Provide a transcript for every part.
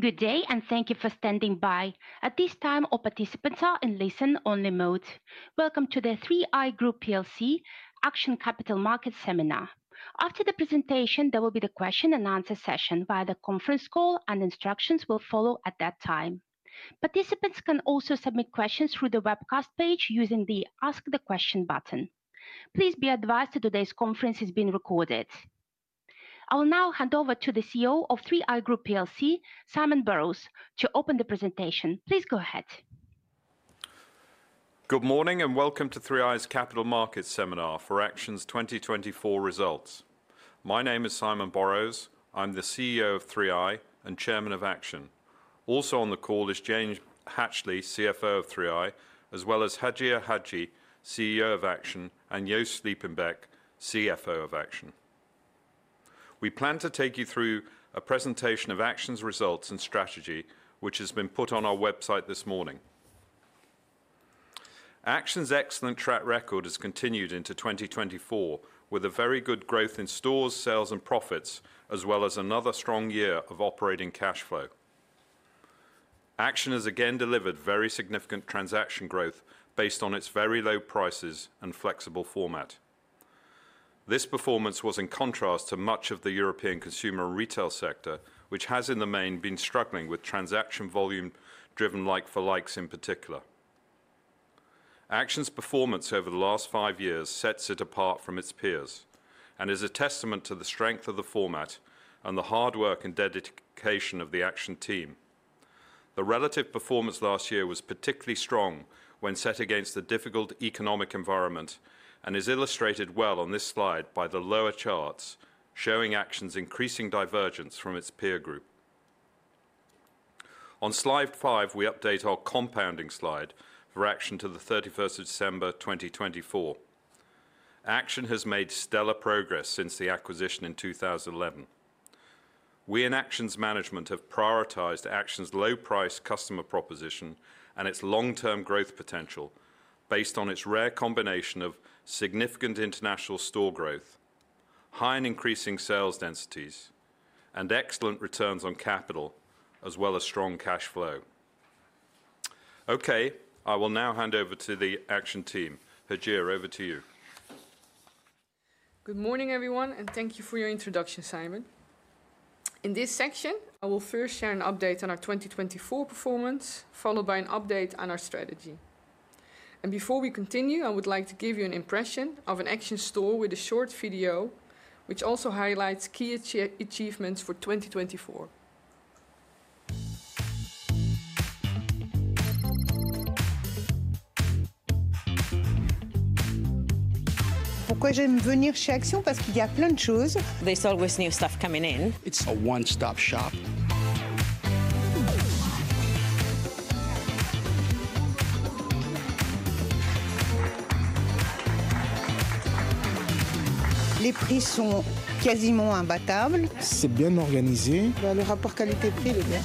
Good day, and thank you for standing by. At this time, all participants are in listen-only mode. Welcome to the 3i Group PLC Action Capital Markets Seminar. After the presentation, there will be the question-and-answer session via the conference call, and instructions will follow at that time. Participants can also submit questions through the webcast page using the Ask the Question button. Please be advised that today's conference is being recorded. I will now hand over to the CEO of 3i Group PLC, Simon Borrows, to open the presentation. Please go ahead. Good morning, and welcome to 3i's Capital Markets seminar for Action's 2024 results. My name is Simon Borrows. I'm the CEO of 3i and Chairman of Action. Also on the call is James Hatchley, CFO of 3i, as well as Hajir Hajji, CEO of Action, and Joost Sliepenbeek, CFO of Action. We plan to take you through a presentation of Action's results and strategy, which has been put on our website this morning. Action's excellent track record has continued into 2024, with very good growth in stores, sales, and profits, as well as another strong year of operating cash flow. Action has again delivered very significant transaction growth based on its very low prices and flexible format. This performance was in contrast to much of the European consumer retail sector, which has in the main been struggling with transaction volume-driven like-for-likes in particular. Action's performance over the last five years sets it apart from its peers and is a testament to the strength of the format and the hard work and dedication of the Action team. The relative performance last year was particularly strong when set against the difficult economic environment and is illustrated well on this slide by the lower charts showing Action's increasing divergence from its peer group. On Slide 5, we update our compounding slide for Action to the 31st of December 2024. Action has made stellar progress since the acquisition in 2011. We in Action's management have prioritized Action's low-price customer proposition and its long-term growth potential based on its rare combination of significant international store growth, high and increasing sales densities, and excellent returns on capital, as well as strong cash flow. I will now hand over to the Action team. Hajir, over to you. Good morning, everyone, and thank you for your introduction, Simon. In this section, I will first share an update on our 2024 performance, followed by an update on our strategy. Before we continue, I would like to give you an impression of an Action store with a short video, which also highlights key achievements for 2024. Pourquoi j'aime venir chez Action? Parce qu'il y a plein de choses. There's always new stuff coming in. It's a one-stop shop. Les prix sont quasiment imbattables. C'est bien organisé. Le rapport qualité-prix est bien.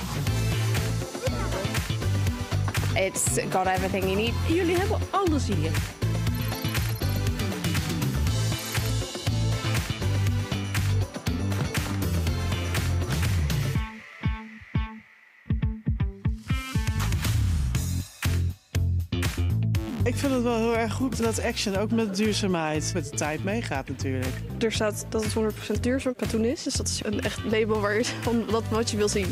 It's got everything you need. Jullie hebben alles hier. Ik vind het wel heel erg goed dat Action ook met duurzaamheid, met de tijd meegaat natuurlijk. staat dat het 100% duurzaam katoen is, dus dat is een echt label waar je van wat je wil zien.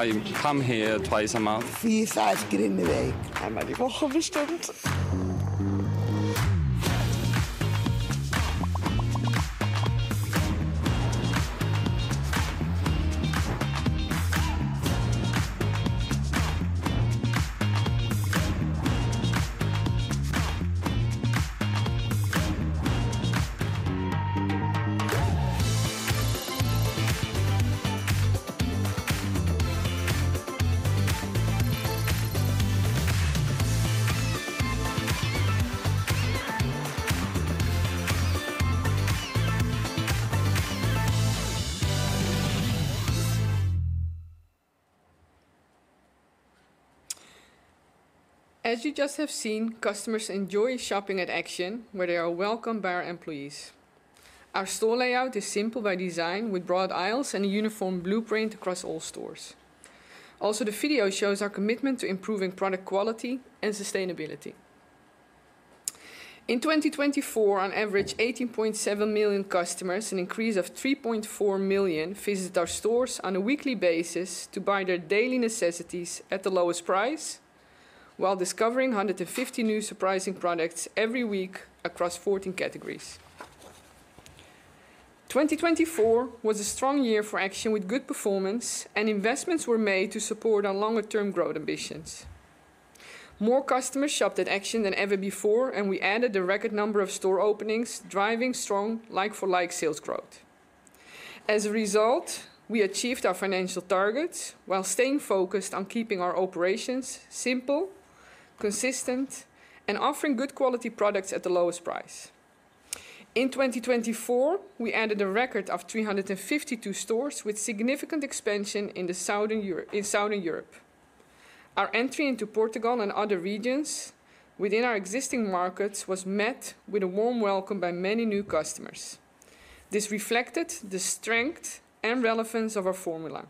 I come here twice a month. Vier, vijf keer in de week. I'm a little gourmet. As you just have seen, customers enjoy shopping at Action, where they are welcomed by our employees. Our store layout is simple by design, with broad aisles and a uniform blueprint across all stores. Also, the video shows our commitment to improving product quality and sustainability. In 2024, on average, 18.7 million customers, an increase of 3.4 million, visit our stores on a weekly basis to buy their daily necessities at the lowest price, while discovering 150 new surprising products every week across 14 categories. 2024 was a strong year for Action with good performance, and investments were made to support our longer-term growth ambitions. More customers shopped at Action than ever before, and we added the record number of store openings, driving strong like-for-like sales growth. As a result, we achieved our financial targets while staying focused on keeping our operations simple, consistent, and offering good quality products at the lowest price. In 2024, we added a record of 352 stores with significant expansion in Southern Europe. Our entry into Portugal and other regions within our existing markets was met with a warm welcome by many new customers. This reflected the strength and relevance of our formula.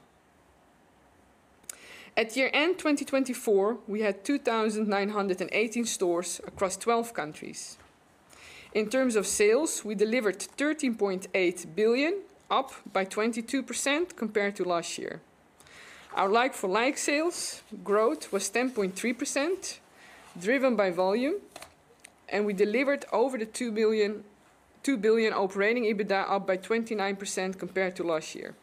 At year-end 2024, we had 2,918 stores across 12 countries. In terms of sales, we delivered $13.8 billion, up by 22% compared to last year. Our like-for-like sales growth was 10.3%, driven by volume, and we delivered over the $2 billion operating EBITDA, up by 29% compared to last year.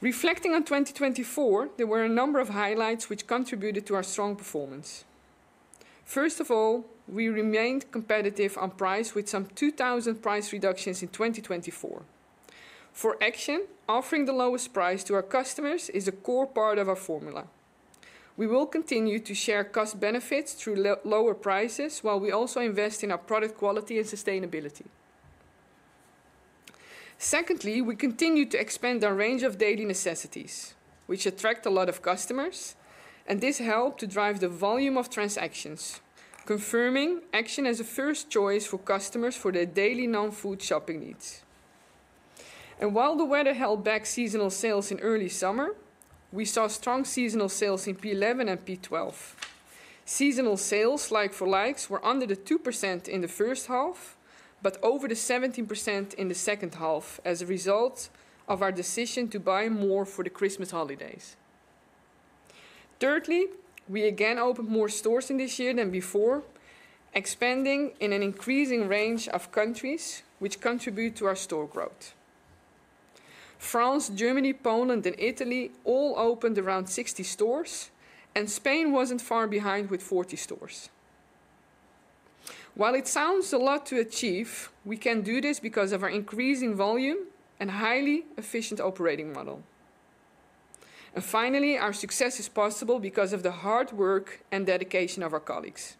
Reflecting on 2024, there were a number of highlights which contributed to our strong performance. First of all, we remained competitive on price with some 2,000 price reductions in 2024. For Action, offering the lowest price to our customers is a core part of our formula. We will continue to share cost benefits through lower prices while we also invest in our product quality and sustainability. Secondly, we continue to expand our range of daily necessities, which attract a lot of customers, and this helped to drive the volume of transactions, confirming Action as a first choice for customers for their daily non-food shopping needs. While the weather held back seasonal sales in early summer, we saw strong seasonal sales in P11 and P12. Seasonal sales like-for-likes were under 2% in the first half, but over 17% in the second half as a result of our decision to buy more for the Christmas holidays. Thirdly, we again opened more stores in this year than before, expanding in an increasing range of countries, which contributed to our store growth. France, Germany, Poland, and Italy all opened around 60 stores, and Spain wasn't far behind with 40 stores. While it sounds a lot to achieve, we can do this because of our increasing volume and highly efficient operating model. Finally, our success is possible because of the hard work and dedication of our colleagues.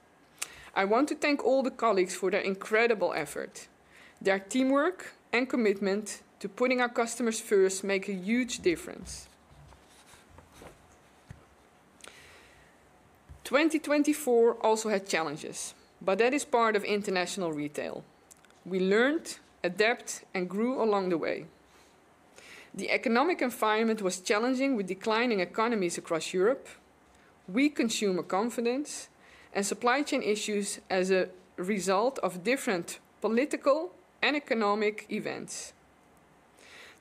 I want to thank all the colleagues for their incredible effort. Their teamwork and commitment to putting our customers first make a huge difference. 2024 also had challenges, but that is part of international retail. We learned, adapted, and grew along the way. The economic environment was challenging with declining economies across Europe, weak consumer confidence, and supply chain issues as a result of different political and economic events.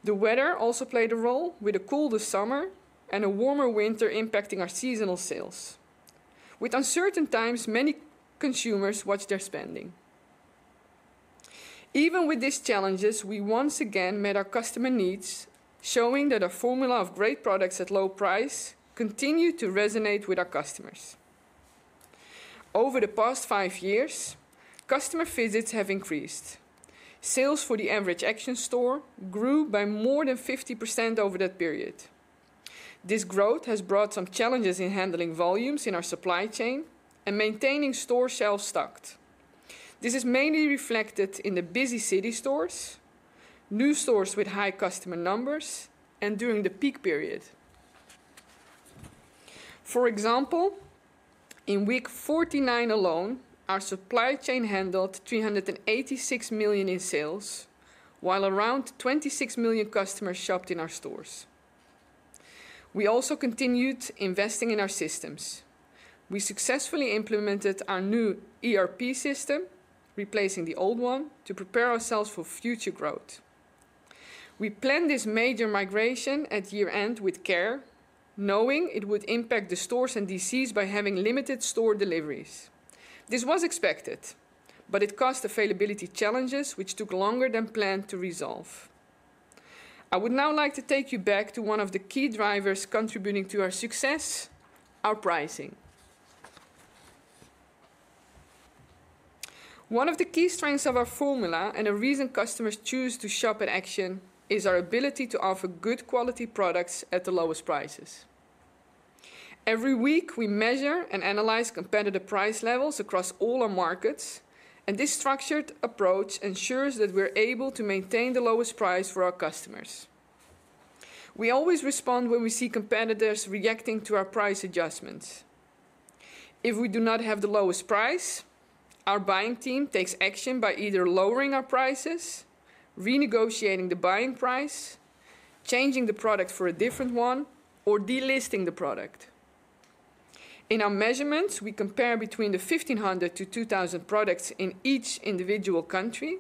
The weather also played a role, with a cooler summer and a warmer winter impacting our seasonal sales. With uncertain times, many consumers watched their spending. Even with these challenges, we once again met our customer needs, showing that our formula of great products at low price continued to resonate with our customers. Over the past five years, customer visits have increased. Sales for the average Action store grew by more than 50% over that period. This growth has brought some challenges in handling volumes in our supply chain and maintaining store shelves stocked. This is mainly reflected in the busy city stores, new stores with high customer numbers, and during the peak period. For example, in week 49 alone, our supply chain handled $386 million in sales, while around 26 million customers shopped in our stores. We also continued investing in our systems. We successfully implemented our new ERP system, replacing the old one to prepare ourselves for future growth. We planned this major migration at year-end with care, knowing it would impact the stores and DCs by having limited store deliveries. This was expected, but it caused availability challenges, which took longer than planned to resolve. I would now like to take you back to one of the key drivers contributing to our success: our pricing. One of the key strengths of our formula and the reason customers choose to shop at Action is our ability to offer good quality products at the lowest prices. Every week, we measure and analyze competitor price levels across all our markets, and this structured approach ensures that we're able to maintain the lowest price for our customers. We always respond when we see competitors reacting to our price adjustments. If we do not have the lowest price, our buying team takes action by either lowering our prices, renegotiating the buying price, changing the product for a different one, or delisting the product. In our measurements, we compare between the 1,500 to 2,000 products in each individual country,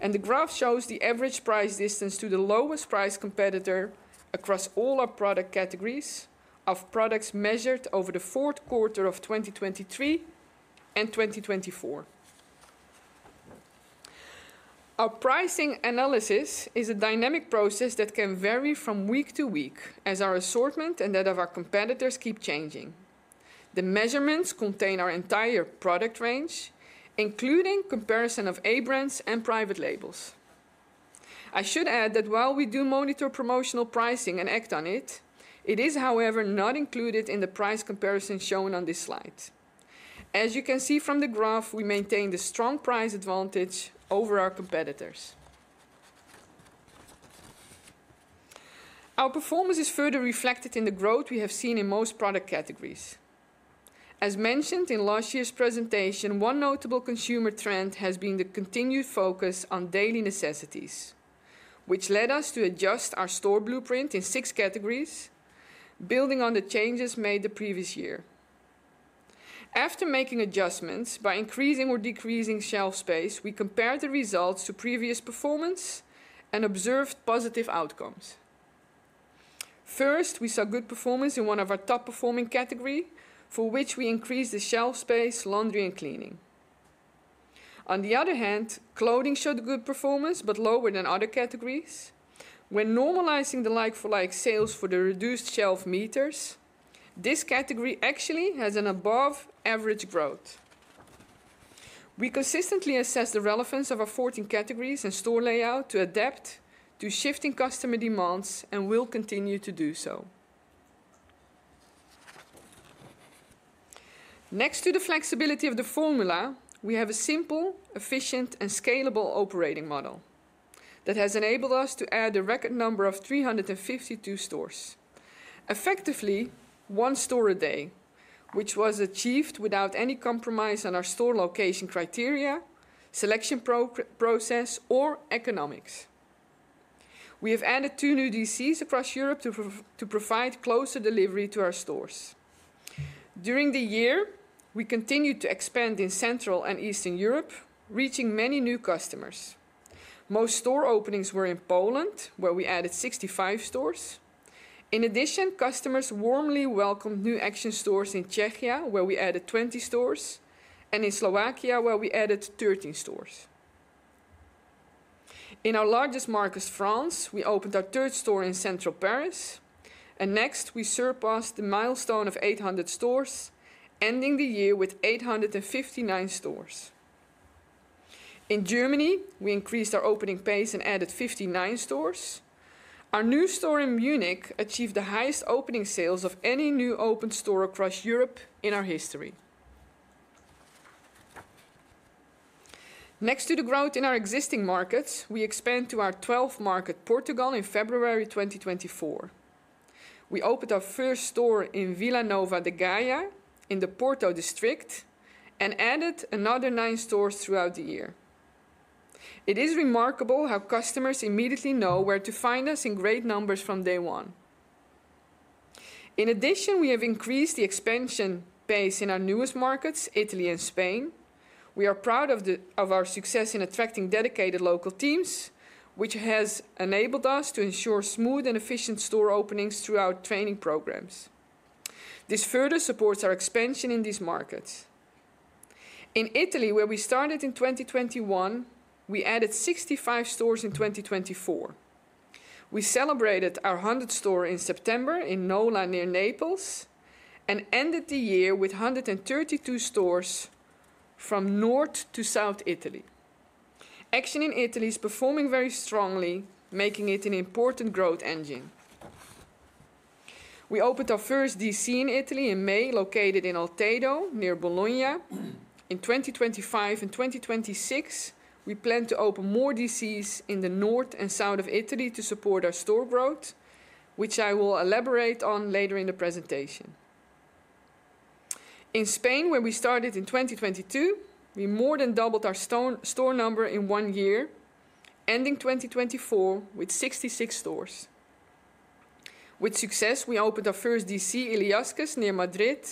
and the graph shows the average price distance to the lowest price competitor across all our product categories of products measured over the Q4 of 2023 and 2024. Our pricing analysis is a dynamic process that can vary from week to week as our assortment and that of our competitors keep changing. The measurements contain our entire product range, including comparison of A-brands and private labels. I should add that while we do monitor promotional pricing and act on it, it is, however, not included in the price comparison shown on this slide. As you can see from the graph, we maintain the strong price advantage over our competitors. Our performance is further reflected in the growth we have seen in most product categories. As mentioned in last year's presentation, one notable consumer trend has been the continued focus on daily necessities, which led us to adjust our store blueprint in six categories, building on the changes made the previous year. After making adjustments by increasing or decreasing shelf space, we compared the results to previous performance and observed positive outcomes. First, we saw good performance in one of our top-performing categories, for which we increased the shelf space: laundry and cleaning. On the other hand, clothing showed good performance but lower than other categories. When normalizing the like-for-like sales for the reduced shelf meters, this category actually has above-average growth. We consistently assess the relevance of our 14 categories and store layout to adapt to shifting customer demands and will continue to do so. Next to the flexibility of the formula, we have a simple, efficient, and scalable operating model that has enabled us to add a record number of 352 stores, effectively one store a day, which was achieved without any compromise on our store location criteria, selection process, or economics. We have added two new DCs across Europe to provide closer delivery to our stores. During the year, we continued to expand in Central and Eastern Europe, reaching many new customers. Most store openings were in Poland, where we added 65 stores. In addition, customers warmly welcomed new Action stores in Czechia, where we added 20 stores, and in Slovakia, where we added 13 stores. In our largest market, France, we opened our third store in Central Paris, and next, we surpassed the milestone of 800 stores, ending the year with 859 stores. In Germany, we increased our opening pace and added 59 stores. Our new store in Munich achieved the highest opening sales of any new open store across Europe in our history. Next to the growth in our existing markets, we expanded to our 12th market, Portugal, in February 2024. We opened our first store in Vila Nova de Gaia in the Porto district and added another nine stores throughout the year. It is remarkable how customers immediately know where to find us in great numbers from day one. In addition, we have increased the expansion pace in our newest markets, Italy and Spain. We are proud of our success in attracting dedicated local teams, which has enabled us to ensure smooth and efficient store openings throughout training programs. This further supports our expansion in these markets. In Italy, where we started in 2021, we added 65 stores in 2024. We celebrated our 100th store in September in Nola, near Naples, and ended the year with 132 stores from North to South Italy. Action in Italy is performing very strongly, making it an important growth engine. We opened our first DC in Italy in May, located in Altedo near Bologna. In 2025 and 2026, we plan to open more DCs in the North and South of Italy to support our store growth, which I will elaborate on later in the presentation. In Spain, where we started in 2022, we more than doubled our store number in one year, ending 2024 with 66 stores. With success, we opened our first DC, Illescas, near Madrid,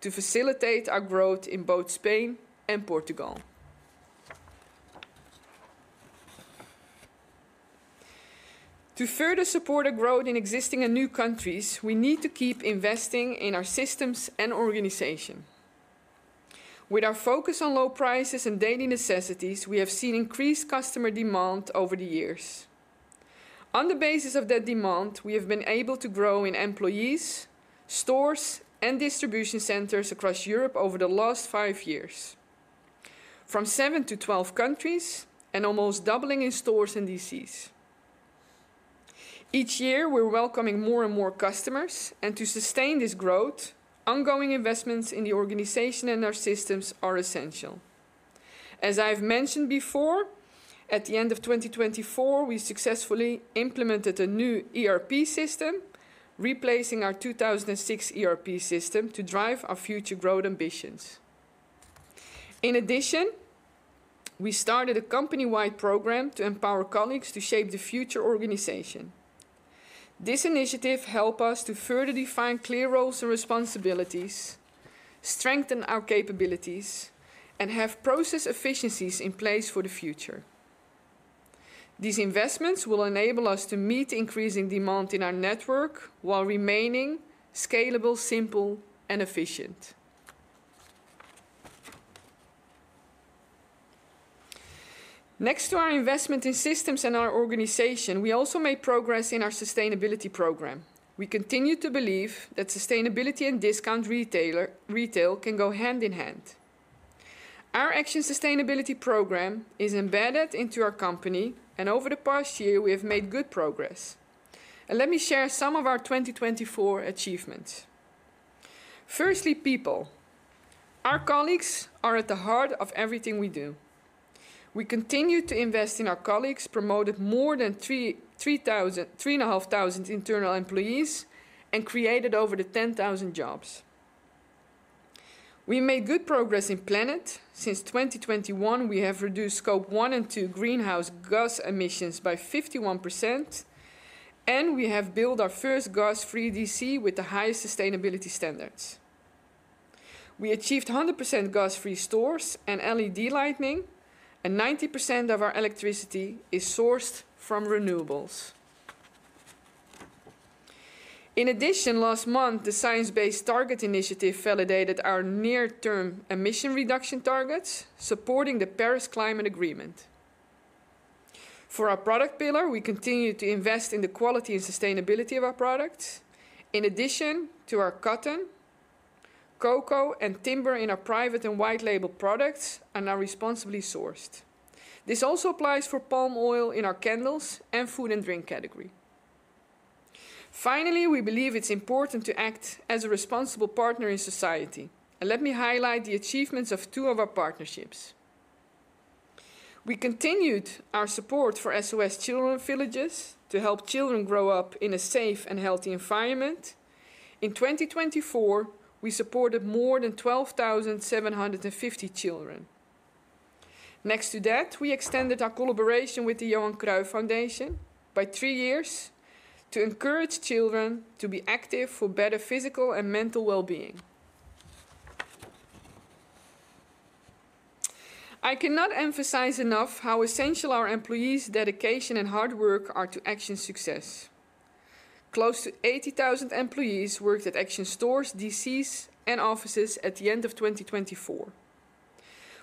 to facilitate our growth in both Spain and Portugal. To further support our growth in existing and new countries, we need to keep investing in our systems and organization. With our focus on low prices and daily necessities, we have seen increased customer demand over the years. On the basis of that demand, we have been able to grow in employees, stores, and distribution centers across Europe over the last five years, from 7 to 12 countries and almost doubling in stores and DCs. Each year, we're welcoming more and more customers, and to sustain this growth, ongoing investments in the organization and our systems are essential. As I've mentioned before, at the end of 2024, we successfully implemented a new ERP system, replacing our 2006 ERP system to drive our future growth ambitions. In addition, we started a company-wide program to empower colleagues to shape the future organization. This initiative helps us to further define clear roles and responsibilities, strengthen our capabilities, and have process efficiencies in place for the future. These investments will enable us to meet increasing demand in our network while remaining scalable, simple, and efficient. Next to our investment in systems and our organization, we also made progress in our sustainability program. We continue to believe that sustainability and discount retail can go hand in hand. Our Action sustainability program is embedded into our company, and over the past year, we have made good progress. Let me share some of our 2024 achievements. Firstly, people. Our colleagues are at the heart of everything we do. We continue to invest in our colleagues, promoted more than 3,500 internal employees, and created over 10,000 jobs. We made good progress in planning. Since 2021, we have reduced Scope 1 and 2 greenhouse gas emissions by 51%, and we have built our first gas-free DC with the highest sustainability standards. We achieved 100% gas-free stores and LED lighting, and 90% of our electricity is sourced from renewables. In addition, last month, the Science Based Target Initiative validated our near-term emission reduction targets, supporting the Paris Climate Agreement. For our product pillar, we continue to invest in the quality and sustainability of our products. In addition to our cotton, cocoa, and timber in our private and white-label products, and are responsibly sourced. This also applies for palm oil in our candles and food and drink category. Finally, we believe it's important to act as a responsible partner in society. Let me highlight the achievements of two of our partnerships. We continued our support for SOS Children's Villages to help children grow up in a safe and healthy environment. In 2024, we supported more than 12,750 children. Next to that, we extended our collaboration with the Johan Cruyff Foundation by three years to encourage children to be active for better physical and mental well-being. I cannot emphasize enough how essential our employees' dedication and hard work are to Action's success. Close to 80,000 employees worked at Action stores, DCs, and offices at the end of 2024.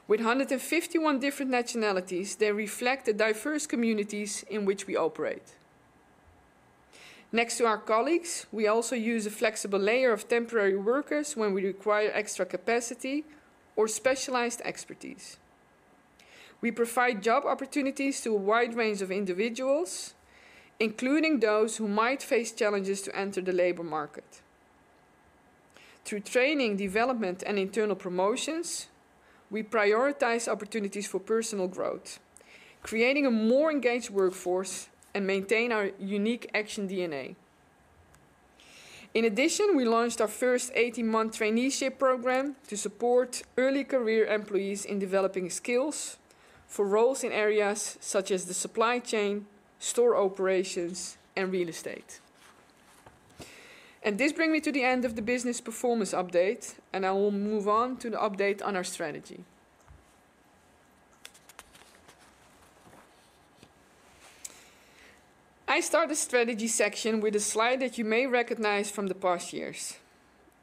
With 151 different nationalities, they reflect the diverse communities in which we operate. Next to our colleagues, we also use a flexible layer of temporary workers when we require extra capacity or specialized expertise. We provide job opportunities to a wide range of individuals, including those who might face challenges to enter the labor market. Through training, development, and internal promotions, we prioritize opportunities for personal growth, creating a more engaged workforce and maintaining our unique Action DNA. In addition, we launched our first 18-month traineeship program to support early-career employees in developing skills for roles in areas such as the supply chain, store operations, and real estate. This brings me to the end of the business performance update, and I will move on to the update on our strategy. I start the strategy section with a slide that you may recognize from the past years.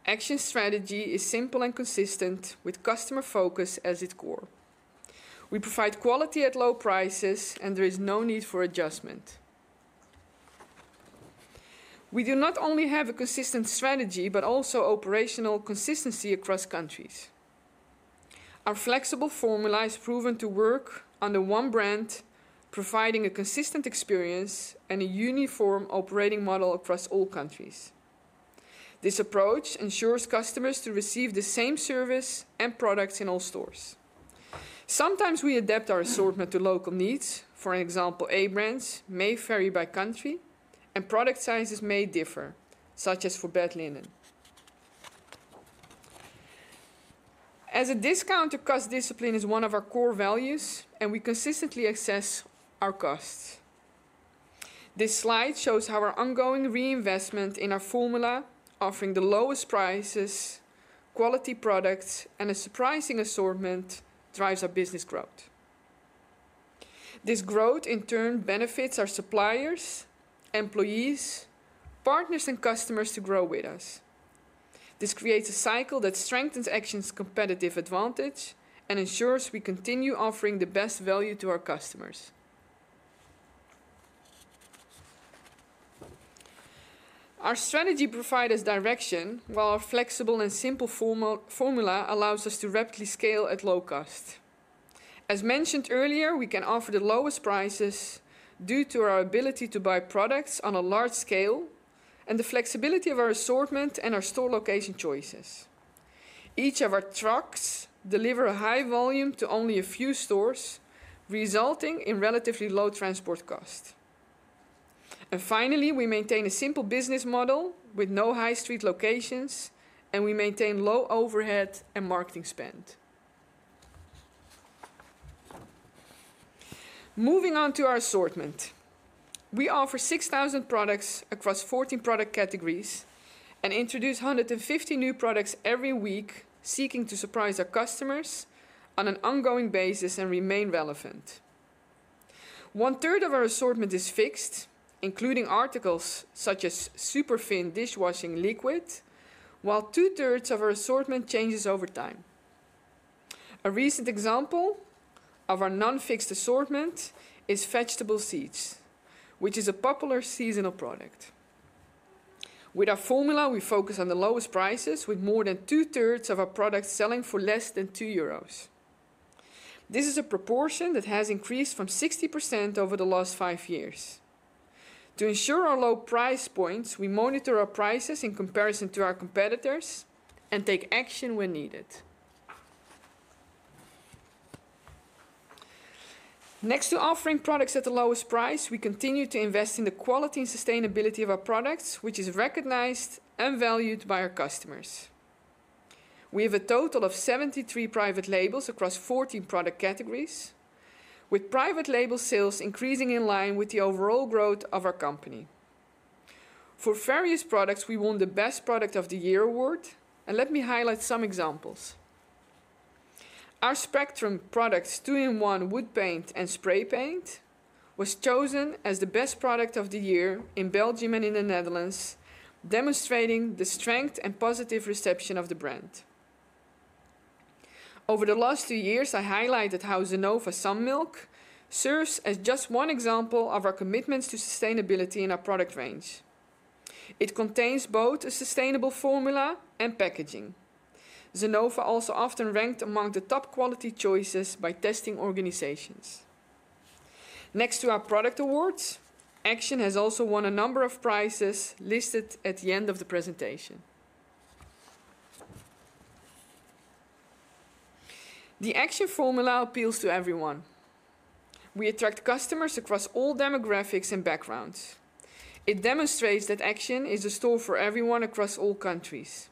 Action strategy is simple and consistent, with customer focus as its core. We provide quality at low prices, and there is no need for adjustment. We do not only have a consistent strategy, but also operational consistency across countries. Our flexible formula has proven to work under one brand, providing a consistent experience and a uniform operating model across all countries. This approach ensures customers receive the same service and products in all stores. Sometimes we adapt our assortment to local needs. For example, A-brands may vary by country, and product sizes may differ, such as for bed linen. As a discounter, cost discipline is one of our core values, and we consistently assess our costs. This slide shows how our ongoing reinvestment in our formula, offering the lowest prices, quality products, and a surprising assortment, drives our business growth. This growth, in turn, benefits our suppliers, employees, partners, and customers to grow with us. This creates a cycle that strengthens Action's competitive advantage and ensures we continue offering the best value to our customers. Our strategy provides us direction, while our flexible and simple formula allows us to rapidly scale at low cost. As mentioned earlier, we can offer the lowest prices due to our ability to buy products on a large scale and the flexibility of our assortment and our store location choices. Each of our trucks delivers a high volume to only a few stores, resulting in relatively low transport costs. Finally, we maintain a simple business model with no high-street locations, and we maintain low overhead and marketing spend. Moving on to our assortment, we offer 6,000 products across 14 product categories and introduce 150 new products every week, seeking to surprise our customers on an ongoing basis and remain relevant. One-third of our assortment is fixed, including articles such as super thin dishwashing liquid, while two-thirds of our assortment changes over time. A recent example of our non-fixed assortment is vegetable seeds, which is a popular seasonal product. With our formula, we focus on the lowest prices, with more than two-thirds of our products selling for less than €2. This is a proportion that has increased from 60% over the last five years. To ensure our low price points, we monitor our prices in comparison to our competitors and take action when needed. Next to offering products at the lowest price, we continue to invest in the quality and sustainability of our products, which is recognized and valued by our customers. We have a total of 73 private labels across 14 product categories, with private label sales increasing in line with the overall growth of our company. For various products, we won the Best Product of the Year award, and let me highlight some examples. Our Spectrum products, two-in-one wood paint and spray paint, were chosen as the Best Product of the Year in Belgium and in the Netherlands, demonstrating the strength and positive reception of the brand. Over the last two years, I highlighted how Zenova Sun Milk serves as just one example of our commitments to sustainability in our product range. It contains both a sustainable formula and packaging. Zenova is also often ranked among the top quality choices by testing organizations. Next to our product awards, Action has also won a number of prizes listed at the end of the presentation. The Action formula appeals to everyone. We attract customers across all demographics and backgrounds. It demonstrates that Action is a store for everyone across all countries.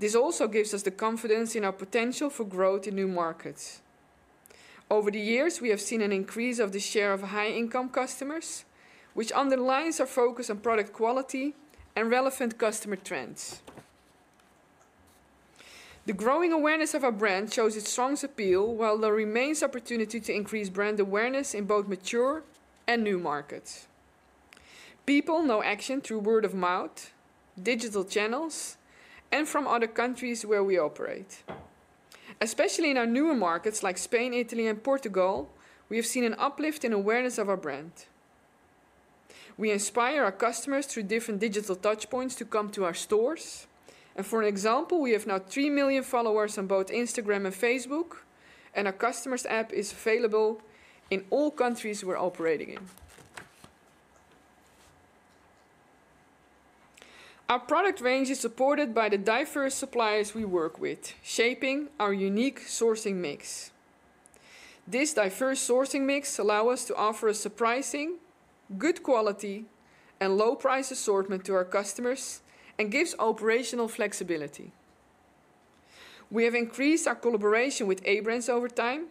This also gives us the confidence in our potential for growth in new markets. Over the years, we have seen an increase of the share of high-income customers, which underlines our focus on product quality and relevant customer trends. The growing awareness of our brand shows its strong appeal, while there remains the opportunity to increase brand awareness in both mature and new markets. People know Action through word of mouth, digital channels, and from other countries where we operate. Especially in our newer markets like Spain, Italy, and Portugal, we have seen an uplift in awareness of our brand. We inspire our customers through different digital touchpoints to come to our stores. For example, we have now 3 million followers on both Instagram and Facebook, and our customers' app is available in all countries we're operating in. Our product range is supported by the diverse suppliers we work with, shaping our unique sourcing mix. This diverse sourcing mix allows us to offer a surprisingly good quality and low-price assortment to our customers and gives operational flexibility. We have increased our collaboration with A-brands over time,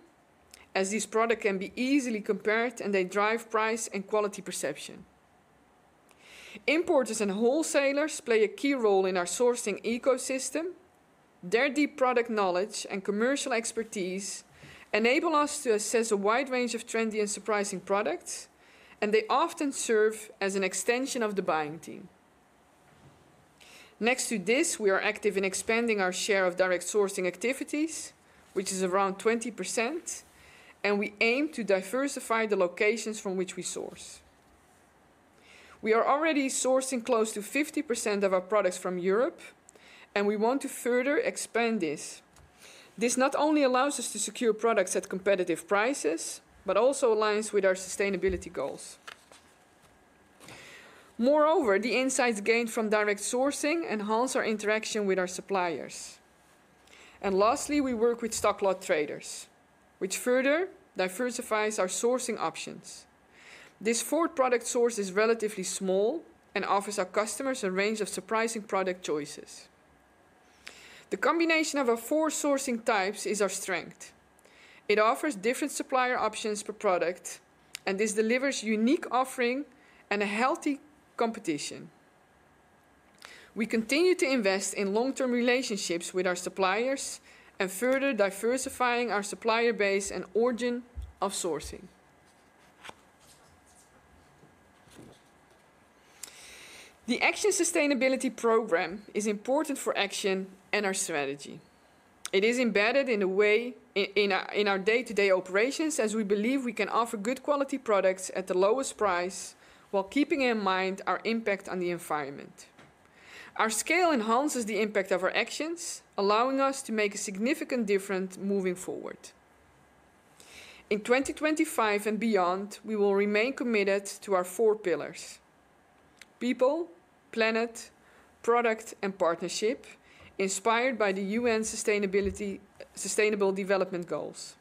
as these products can be easily compared and they drive price and quality perception. Importers and wholesalers play a key role in our sourcing ecosystem. Their deep product knowledge and commercial expertise enable us to assess a wide range of trendy and surprising products, and they often serve as an extension of the buying team. Next to this, we are active in expanding our share of direct sourcing activities, which is around 20%, and we aim to diversify the locations from which we source. We are already sourcing close to 50% of our products from Europe, and we want to further expand this. This not only allows us to secure products at competitive prices, but also aligns with our sustainability goals. Moreover, the insights gained from direct sourcing enhance our interaction with our suppliers. Lastly, we work with stock lot traders, which further diversifies our sourcing options. This fourth product source is relatively small and offers our customers a range of surprising product choices. The combination of our four sourcing types is our strength. It offers different supplier options per product, and this delivers a unique offering and healthy competition. We continue to invest in long-term relationships with our suppliers and further diversify our supplier base and origin of sourcing. The Action sustainability program is important for Action and our strategy. It is embedded in our day-to-day operations, as we believe we can offer good quality products at the lowest price while keeping in mind our impact on the environment. Our scale enhances the impact of our actions, allowing us to make a significant difference moving forward. In 2025 and beyond, we will remain committed to our four pillars: people, planet, product, and partnership, inspired by the UN Sustainable Development Goals.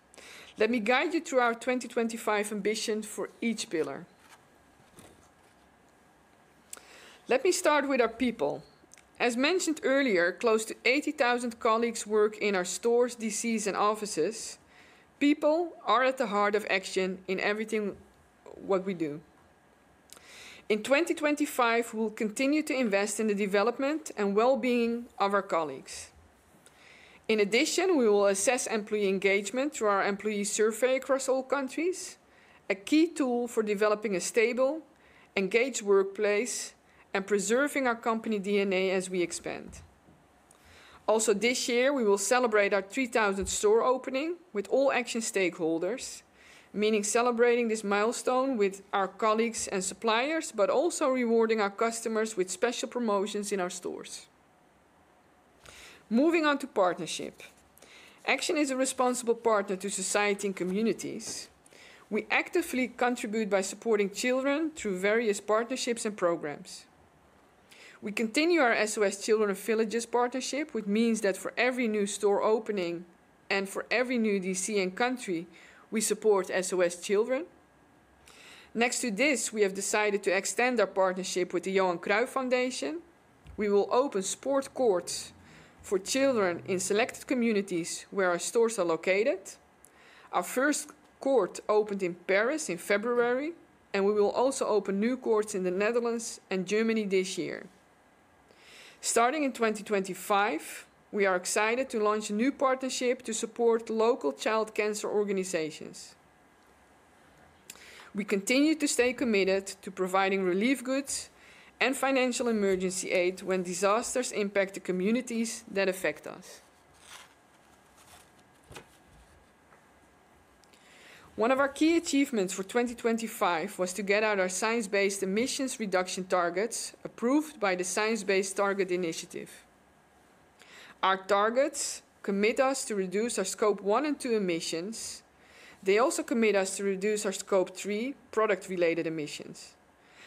Let me guide you through our 2025 ambition for each pillar. Let me start with our people. As mentioned earlier, close to 80,000 colleagues work in our stores, DCs, and offices. People are at the heart of Action in everything we do. In 2025, we will continue to invest in the development and well-being of our colleagues. In addition, we will assess employee engagement through our employee survey across all countries, a key tool for developing a stable, engaged workplace and preserving our company DNA as we expand. Also, this year, we will celebrate our 3,000th store opening with all Action stakeholders, meaning celebrating this milestone with our colleagues and suppliers, but also rewarding our customers with special promotions in our stores. Moving on to partnership, Action is a responsible partner to society and communities. We actively contribute by supporting children through various partnerships and programs. We continue our SOS Children's Villages partnership, which means that for every new store opening and for every new DC and country, we support SOS children. Next to this, we have decided to extend our partnership with the Johan Cruyff Foundation. We will open sport courts for children in selected communities where our stores are located. Our first court opened in Paris in February, and we will also open new courts in the Netherlands and Germany this year. Starting in 2025, we are excited to launch a new partnership to support local child cancer organizations. We continue to stay committed to providing relief goods and financial emergency aid when disasters impact the communities that affect us. One of our key achievements for 2025 was to get our science-based emissions reduction targets approved by the Science Based Target Initiative. Our targets commit us to reduce our Scope 1 and 2 emissions. They also commit us to reduce our Scope 3 product-related emissions,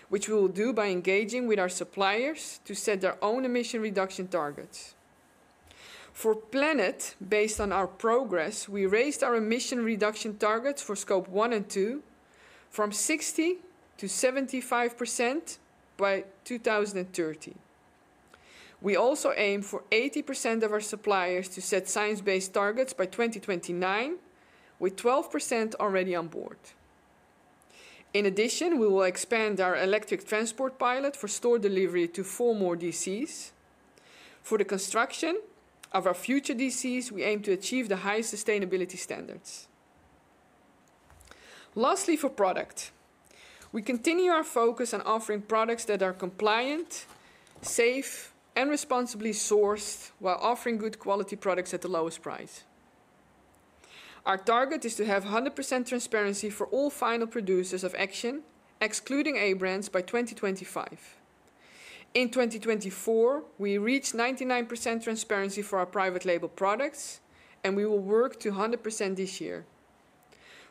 which we will do by engaging with our suppliers to set their own emission reduction targets. For planet, based on our progress, we raised our emission reduction targets for Scope 1 and 2 from 60% to 75% by 2030. We also aim for 80% of our suppliers to set science-based targets by 2029, with 12% already on board. In addition, we will expand our electric transport pilot for store delivery to four more DCs. For the construction of our future DCs, we aim to achieve the highest sustainability standards. Lastly, for product, we continue our focus on offering products that are compliant, safe, and responsibly sourced while offering good quality products at the lowest price. Our target is to have 100% transparency for all final producers of Action, excluding A-brands, by 2025. In 2024, we reached 99% transparency for our private label products, and we will work to 100% this year.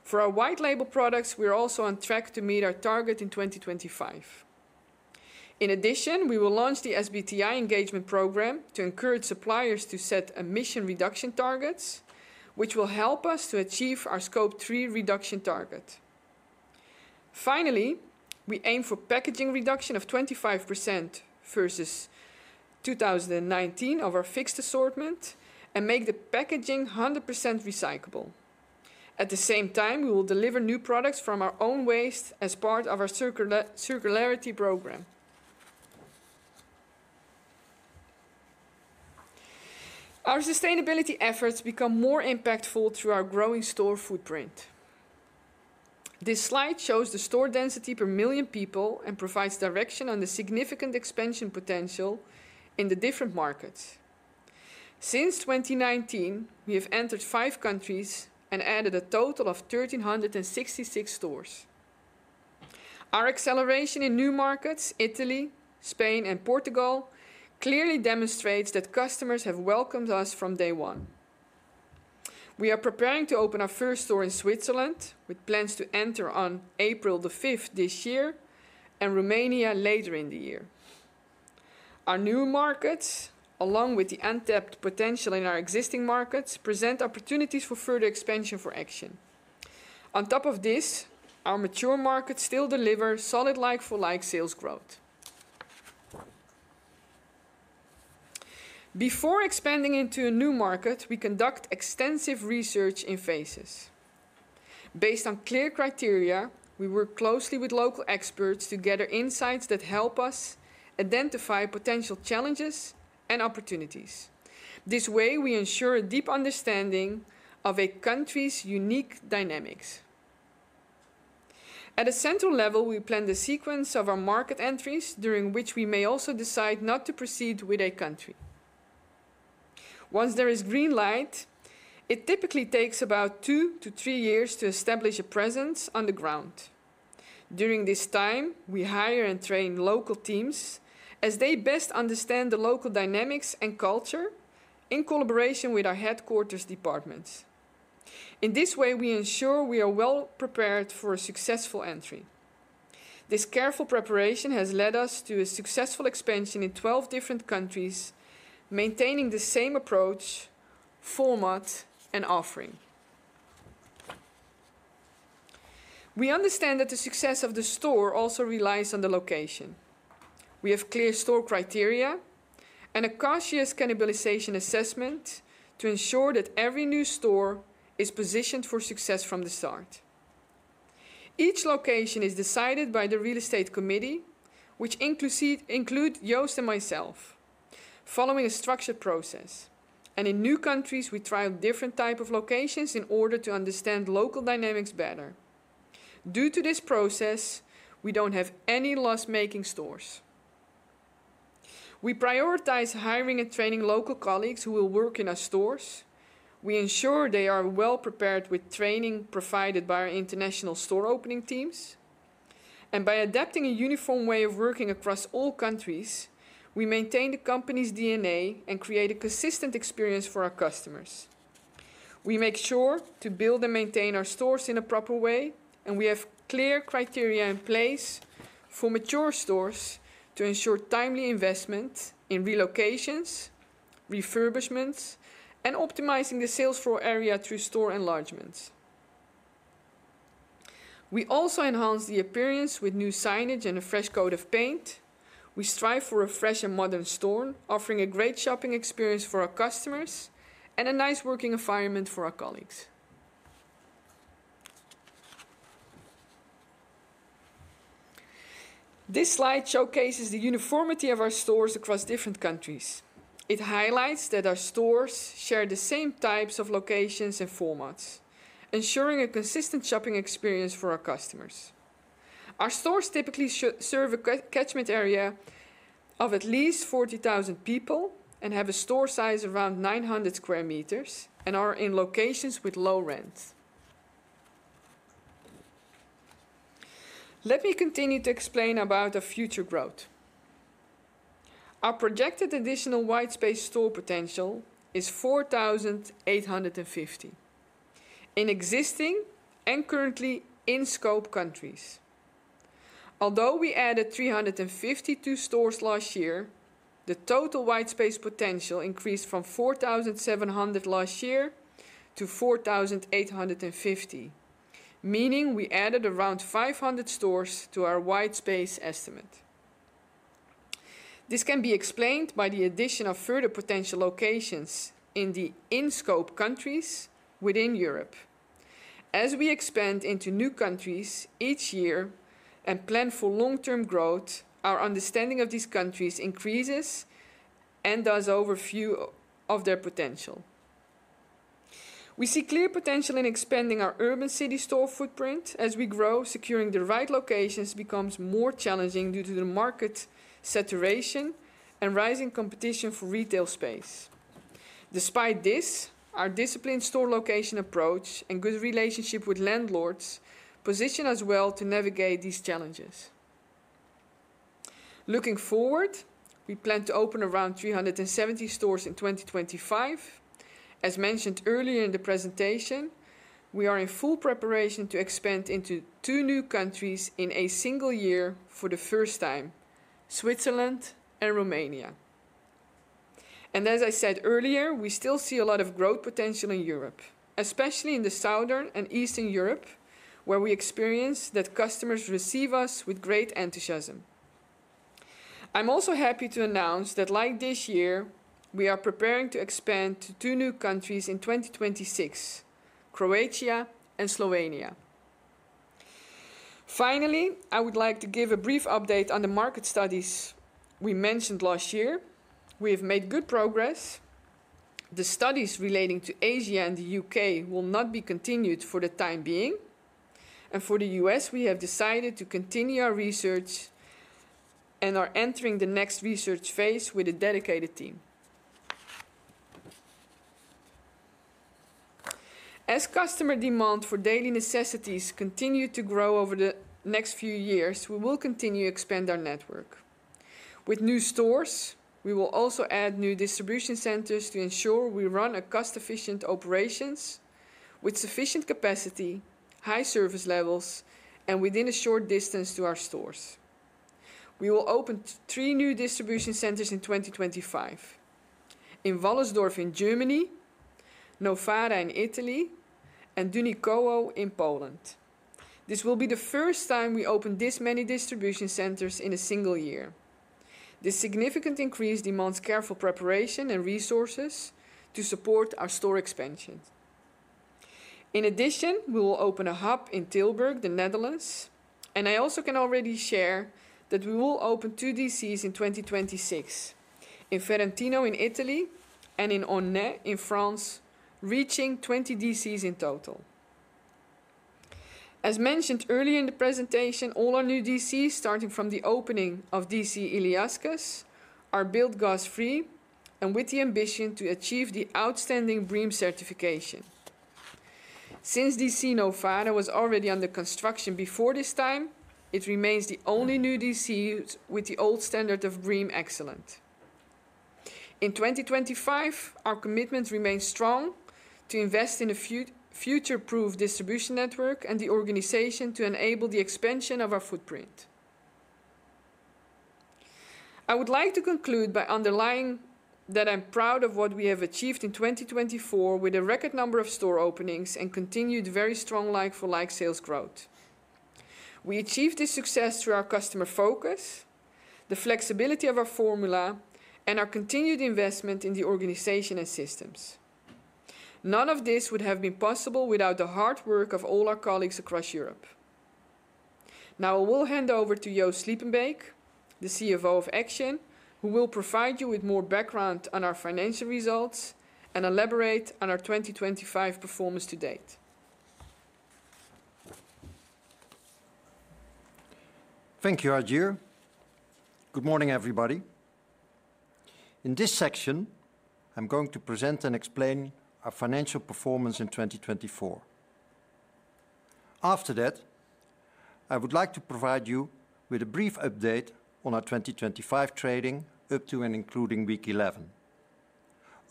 For our white label products, we are also on track to meet our target in 2025. In addition, we will launch the SBTi engagement program to encourage suppliers to set emission reduction targets, which will help us to achieve our Scope 3 reduction target. Finally, we aim for packaging reduction of 25% versus 2019 of our fixed assortment and make the packaging 100% recyclable. At the same time, we will deliver new products from our own waste as part of our circularity program. Our sustainability efforts become more impactful through our growing store footprint. This slide shows the store density per million people and provides direction on the significant expansion potential in the different markets. Since 2019, we have entered five countries and added a total of 1,366 stores. Our acceleration in new markets, Italy, Spain, and Portugal, clearly demonstrates that customers have welcomed us from day one. We are preparing to open our first store in Switzerland, with plans to enter on April 5 this year, and Romania later in the year. Our new markets, along with the untapped potential in our existing markets, present opportunities for further expansion for Action. On top of this, our mature markets still deliver solid like-for-like sales growth. Before expanding into a new market, we conduct extensive research in phases. Based on clear criteria, we work closely with local experts to gather insights that help us identify potential challenges and opportunities. This way, we ensure a deep understanding of a country's unique dynamics. At a central level, we plan the sequence of our market entries, during which we may also decide not to proceed with a country. Once there is green light, it typically takes about two to three years to establish a presence on the ground. During this time, we hire and train local teams as they best understand the local dynamics and culture in collaboration with our headquarters departments. In this way, we ensure we are well prepared for a successful entry. This careful preparation has led us to a successful expansion in 12 different countries, maintaining the same approach, format, and offering. We understand that the success of the store also relies on the location. We have clear store criteria and a cautious cannibalization assessment to ensure that every new store is positioned for success from the start. Each location is decided by the real estate committee, which includes Joost and myself, following a structured process. In new countries, we trial different types of locations in order to understand local dynamics better. Due to this process, we don't have any loss-making stores. We prioritize hiring and training local colleagues who will work in our stores. We ensure they are well prepared with training provided by our international store opening teams. By adapting a uniform way of working across all countries, we maintain the company's DNA and create a consistent experience for our customers. We make sure to build and maintain our stores in a proper way, and we have clear criteria in place for mature stores to ensure timely investment in relocations, refurbishments, and optimizing the sales floor area through store enlargements. We also enhance the appearance with new signage and a fresh coat of paint. We strive for a fresh and modern store, offering a great shopping experience for our customers and a nice working environment for our colleagues. This slide showcases the uniformity of our stores across different countries. It highlights that our stores share the same types of locations and formats, ensuring a consistent shopping experience for our customers. Our stores typically serve a catchment area of at least 40,000 people and have a store size of around 900 square meters and are in locations with low rent. Let me continue to explain about our future growth. Our projected additional white space store potential is 4,850 in existing and currently in-scope countries. Although we added 352 stores last year, the total white space potential increased from 4,700 last year to 4,850, meaning we added around 500 stores to our white space estimate. This can be explained by the addition of further potential locations in the in-scope countries within Europe. As we expand into new countries each year and plan for long-term growth, our understanding of these countries increases and does our view of their potential. We see clear potential in expanding our urban city store footprint as we grow. Securing the right locations becomes more challenging due to the market saturation and rising competition for retail space. Despite this, our disciplined store location approach and good relationship with landlords position us well to navigate these challenges. Looking forward, we plan to open around 370 stores in 2025. As mentioned earlier in the presentation, we are in full preparation to expand into two new countries in a single year for the first time: Switzerland and Romania. As I said earlier, we still see a lot of growth potential in Europe, especially in the southern and eastern Europe, where we experience that customers receive us with great enthusiasm. I'm also happy to announce that, like this year, we are preparing to expand to two new countries in 2026: Croatia and Slovenia. Finally, I would like to give a brief update on the market studies we mentioned last year. We have made good progress. The studies relating to Asia and the UK will not be continued for the time being. For the US, we have decided to continue our research and are entering the next research phase with a dedicated team. As customer demand for daily necessities continues to grow over the next few years, we will continue to expand our network. With new stores, we will also add new distribution centers to ensure we run a cost-efficient operation with sufficient capacity, high service levels, and within a short distance to our stores. We will open three new distribution centers in 2025: in Wallersdorf in Germany, Novara in Italy, and Dunikowo in Poland. This will be the first time we open this many distribution centers in a single year. This significant increase demands careful preparation and resources to support our store expansion. In addition, we will open a hub in Tilburg, the Netherlands. I also can already share that we will open two DCs in 2026 in Ferentino in Italy and in Auneau in France, reaching 20 DCs in total. As mentioned earlier in the presentation, all our new DCs, starting from the opening of DC Illescas, are built gas-free and with the ambition to achieve the outstanding BREEAM certification. Since DC Novara was already under construction before this time, it remains the only new DC with the old standard of BREEAM Excellent. In 2025, our commitment remains strong to invest in a future-proof distribution network and the organization to enable the expansion of our footprint. I would like to conclude by underlining that I'm proud of what we have achieved in 2024 with a record number of store openings and continued very strong like-for-like sales growth. We achieved this success through our customer focus, the flexibility of our formula, and our continued investment in the organization and systems. None of this would have been possible without the hard work of all our colleagues across Europe. Now I will hand over to Joost Sliepenbeek, the CFO of Action, who will provide you with more background on our financial results and elaborate on our 2025 performance to date. Thank you, Hajir. Good morning, everybody. In this section, I'm going to present and explain our financial performance in 2024. After that, I would like to provide you with a brief update on our 2025 trading up to and including week 11,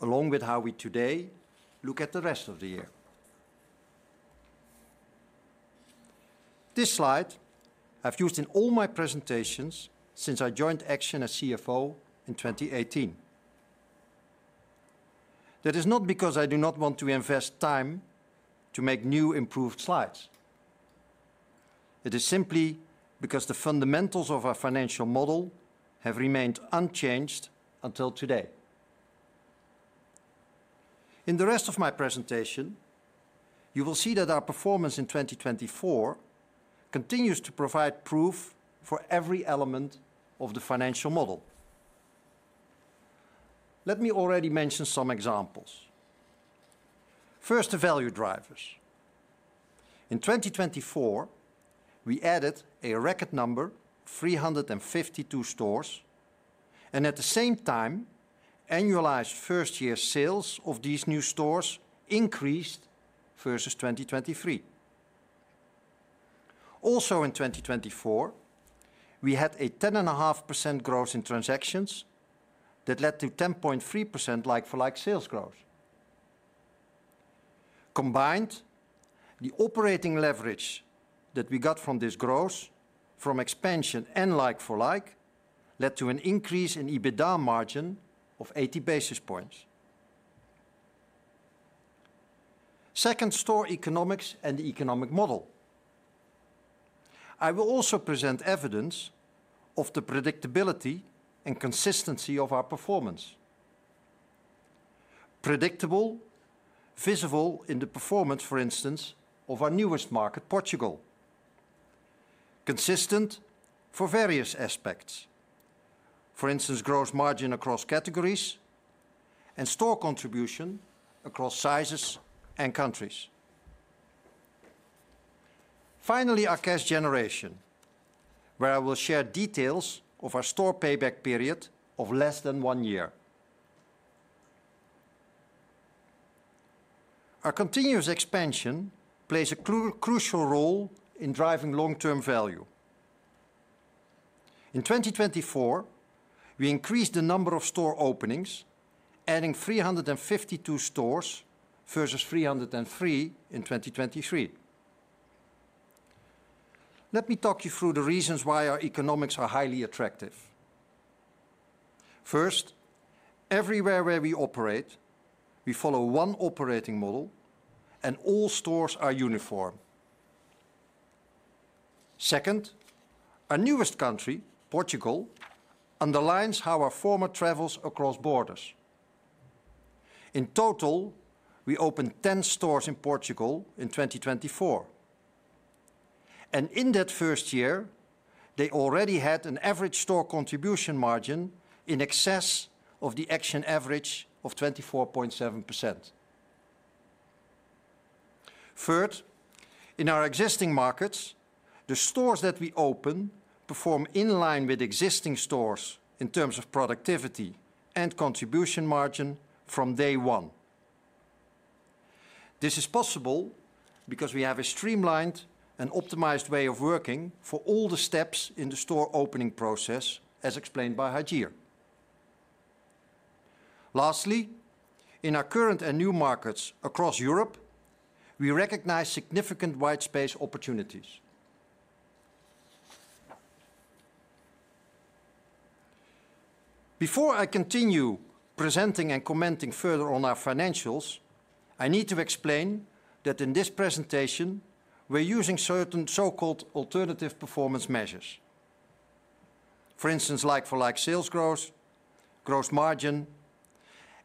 along with how we today look at the rest of the year. This slide I've used in all my presentations since I joined Action as CFO in 2018. That is not because I do not want to invest time to make new improved slides. It is simply because the fundamentals of our financial model have remained unchanged until today. In the rest of my presentation, you will see that our performance in 2024 continues to provide proof for every element of the financial model. Let me already mention some examples. First, the value drivers. In 2024, we added a record number of 352 stores, and at the same time, annualized first-year sales of these new stores increased versus 2023. Also, in 2024, we had a 10.5% growth in transactions that led to 10.3% like-for-like sales growth. Combined, the operating leverage that we got from this growth from expansion and like-for-like led to an increase in EBITDA margin of 80 basis points. Second, store economics and the economic model. I will also present evidence of the predictability and consistency of our performance. Predictable, visible in the performance, for instance, of our newest market, Portugal. Consistent for various aspects, for instance, gross margin across categories and store contribution across sizes and countries. Finally, our cash generation, where I will share details of our store payback period of less than one year. Our continuous expansion plays a crucial role in driving long-term value. In 2024, we increased the number of store openings, adding 352 stores versus 303 in 2023. Let me talk you through the reasons why our economics are highly attractive. First, everywhere where we operate, we follow one operating model, and all stores are uniform. Second, our newest country, Portugal, underlines how our format travels across borders. In total, we opened 10 stores in Portugal in 2024. In that first year, they already had an average store contribution margin in excess of the Action average of 24.7%. Third, in our existing markets, the stores that we open perform in line with existing stores in terms of productivity and contribution margin from day one. This is possible because we have a streamlined and optimized way of working for all the steps in the store opening process, as explained by Hajir. Lastly, in our current and new markets across Europe, we recognize significant white space opportunities. Before I continue presenting and commenting further on our financials, I need to explain that in this presentation, we're using certain so-called alternative performance measures. For instance, like-for-like sales growth, gross margin,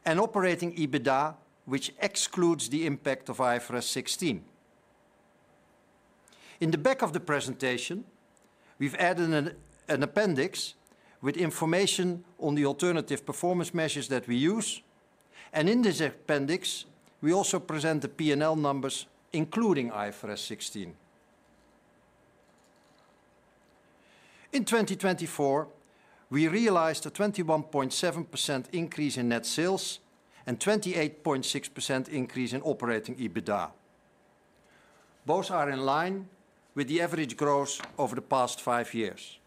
and operating EBITDA, which excludes the impact of IFRS 16. In the back of the presentation, we've added an appendix with information on the alternative performance measures that we use. In this appendix, we also present the P&L numbers, including IFRS 16. In 2024, we realized a 21.7% increase in net sales and 28.6% increase in operating EBITDA. Both are in line with the average growth over the past five years.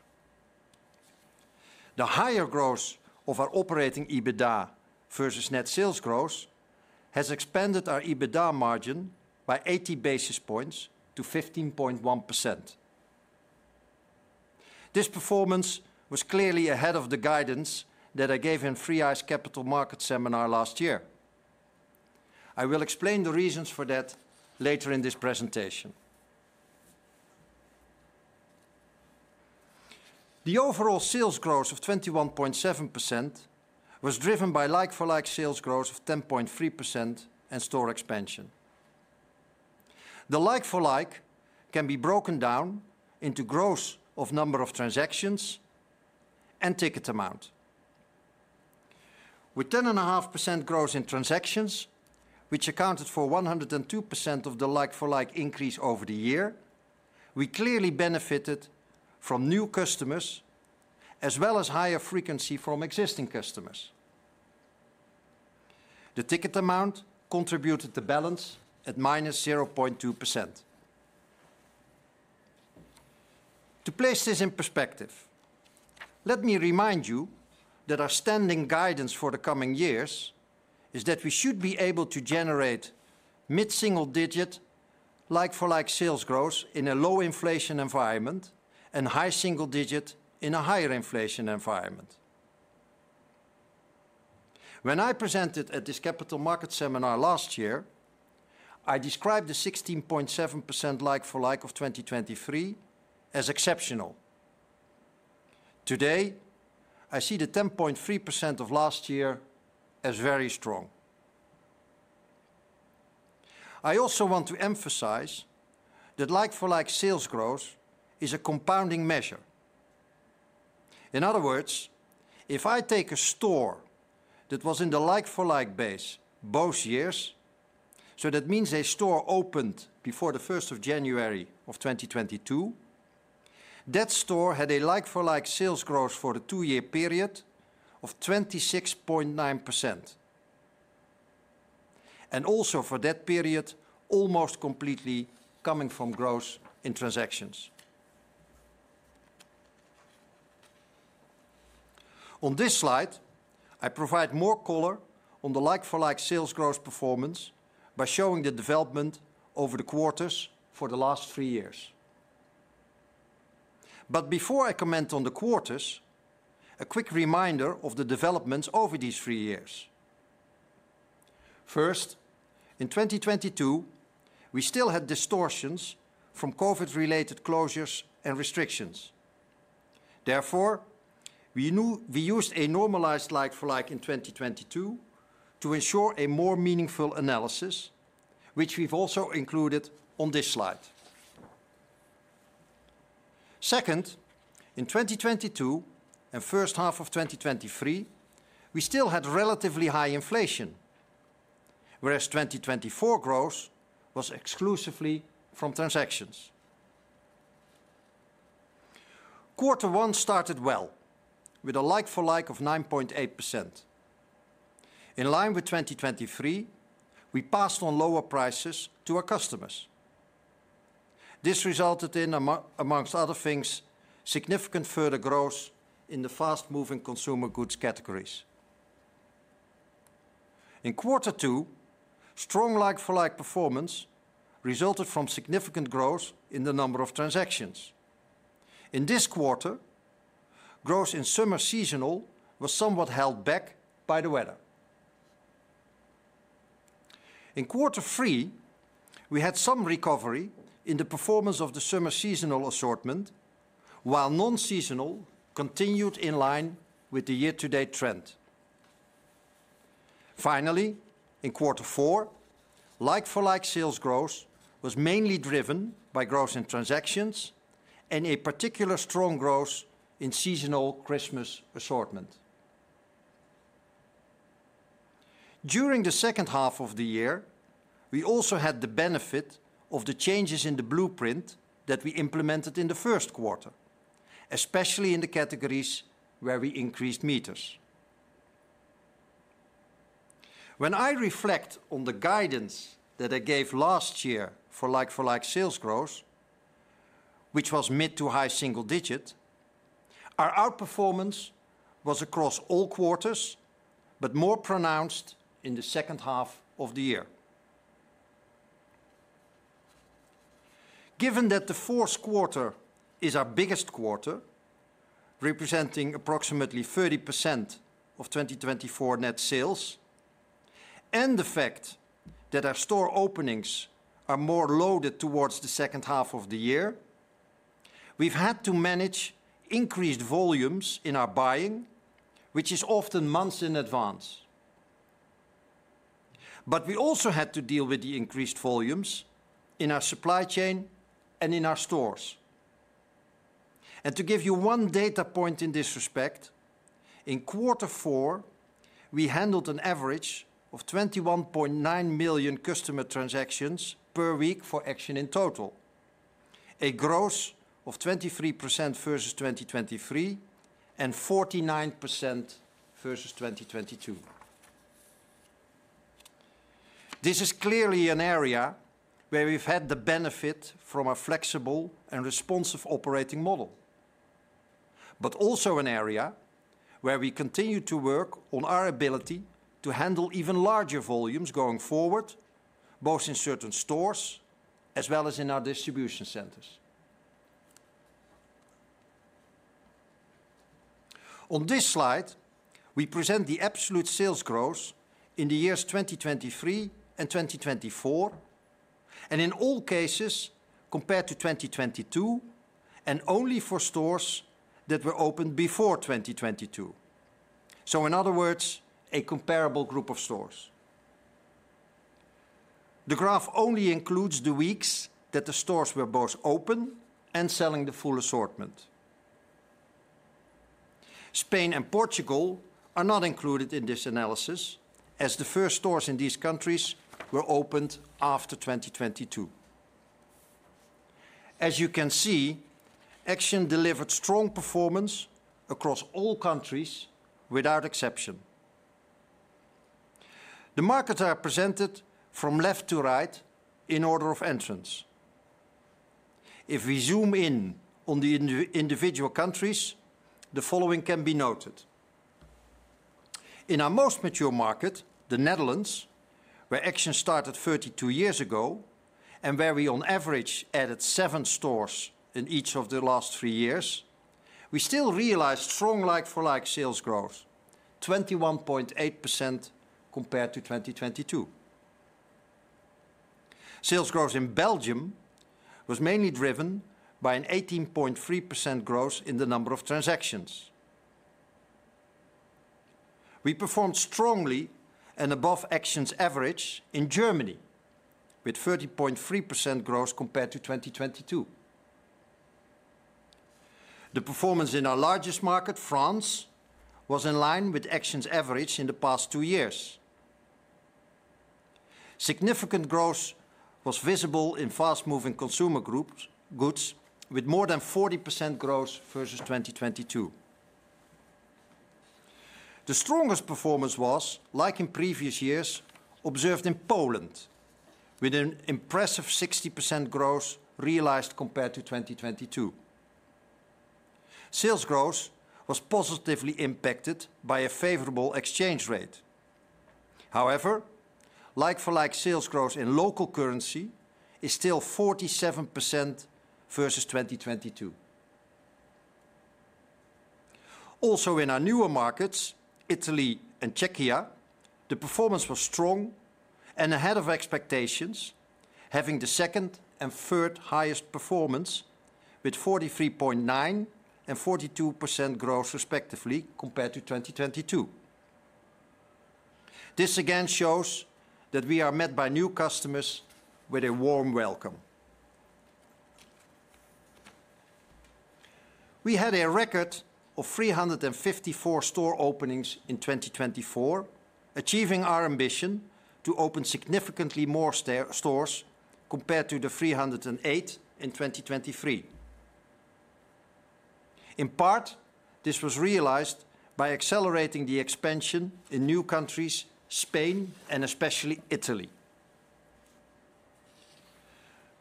The higher growth of our operating EBITDA versus net sales growth has expanded our EBITDA margin by 80 basis points to 15.1%. This performance was clearly ahead of the guidance that I gave in 3i Capital Markets seminar last year. I will explain the reasons for that later in this presentation. The overall sales growth of 21.7% was driven by like-for-like sales growth of 10.3% and store expansion. The like-for-like can be broken down into growth of number of transactions and ticket amount. With 10.5% growth in transactions, which accounted for 102% of the like-for-like increase over the year, we clearly benefited from new customers as well as higher frequency from existing customers. The ticket amount contributed to balance at minus 0.2%. To place this in perspective, let me remind you that our standing guidance for the coming years is that we should be able to generate mid-single-digit like-for-like sales growth in a low inflation environment and high single-digit in a higher inflation environment. When I presented at this capital markets seminar last year, I described the 16.7% like-for-like of 2023 as exceptional. Today, I see the 10.3% of last year as very strong. I also want to emphasize that like-for-like sales growth is a compounding measure. In other words, if I take a store that was in the like-for-like base both years, so that means a store opened before the 1st of January of 2022, that store had a like-for-like sales growth for the two-year period of 26.9%. Also for that period, almost completely coming from growth in transactions. On this slide, I provide more color on the like-for-like sales growth performance by showing the development over the quarters for the last three years. Before I comment on the quarters, a quick reminder of the developments over these three years. First, in 2022, we still had distortions from COVID-related closures and restrictions. Therefore, we used a normalized like-for-like in 2022 to ensure a more meaningful analysis, which we've also included on this slide. Second, in 2022 and first half of 2023, we still had relatively high inflation, whereas 2024 growth was exclusively from transactions. Quarter one started well with a like-for-like of 9.8%. In line with 2023, we passed on lower prices to our customers. This resulted in, amongst other things, significant further growth in the fast-moving consumer goods categories. In quarter two, strong like-for-like performance resulted from significant growth in the number of transactions. In this quarter, growth in summer seasonal was somewhat held back by the weather. In quarter three, we had some recovery in the performance of the summer seasonal assortment, while non-seasonal continued in line with the year-to-date trend. Finally, in quarter four, like-for-like sales growth was mainly driven by growth in transactions and a particularly strong growth in seasonal Christmas assortment. During the second half of the year, we also had the benefit of the changes in the blueprint that we implemented in the Q1, especially in the categories where we increased meters. When I reflect on the guidance that I gave last year for like-for-like sales growth, which was mid to high single-digit, our outperformance was across all quarters, but more pronounced in the second half of the year. Given that the Q4 is our biggest quarter, representing approximately 30% of 2024 net sales, and the fact that our store openings are more loaded towards the second half of the year, we've had to manage increased volumes in our buying, which is often months in advance. But we also had to deal with the increased volumes in our supply chain and in our stores. To give you one data point in this respect, in quarter four, we handled an average of 21.9 million customer transactions per week for Action in total, a growth of 23% versus 2023 and 49% versus 2022. This is clearly an area where we've had the benefit from a flexible and responsive operating model, but also an area where we continue to work on our ability to handle even larger volumes going forward, both in certain stores as well as in our distribution centers. On this slide, we present the absolute sales growth in the years 2023 and 2024, and in all cases compared to 2022, and only for stores that were opened before 2022. So, in other words, a comparable group of stores. The graph only includes the weeks that the stores were both open and selling the full assortment. Spain and Portugal are not included in this analysis, as the first stores in these countries were opened after 2022. As you can see, Action delivered strong performance across all countries without exception. The markets are presented from left to right in order of entrance. If we zoom in on the individual countries, the following can be noted. In our most mature market, the Netherlands, where Action started 32 years ago and where we on average added seven stores in each of the last three years, we still realized strong like-for-like sales growth, 21.8% compared to 2022. Sales growth in Belgium was mainly driven by an 18.3% growth in the number of transactions. We performed strongly and above Action's average in Germany with 30.3% growth compared to 2022. The performance in our largest market, France, was in line with Action's average in the past two years. Significant growth was visible in fast-moving consumer goods with more than 40% growth versus 2022. The strongest performance was, like in previous years, observed in Poland with an impressive 60% growth realized compared to 2022. Sales growth was positively impacted by a favorable exchange rate. However, like-for-like sales growth in local currency is still 47% versus 2022. Also, in our newer markets, Italy and Czechia, the performance was strong and ahead of expectations, having the second and third highest performance with 43.9% and 42% growth respectively compared to 2022. This again shows that we are met by new customers with a warm welcome. We had a record of 354 store openings in 2024, achieving our ambition to open significantly more stores compared to the 308 in 2023. In part, this was realized by accelerating the expansion in new countries, Spain, and especially Italy.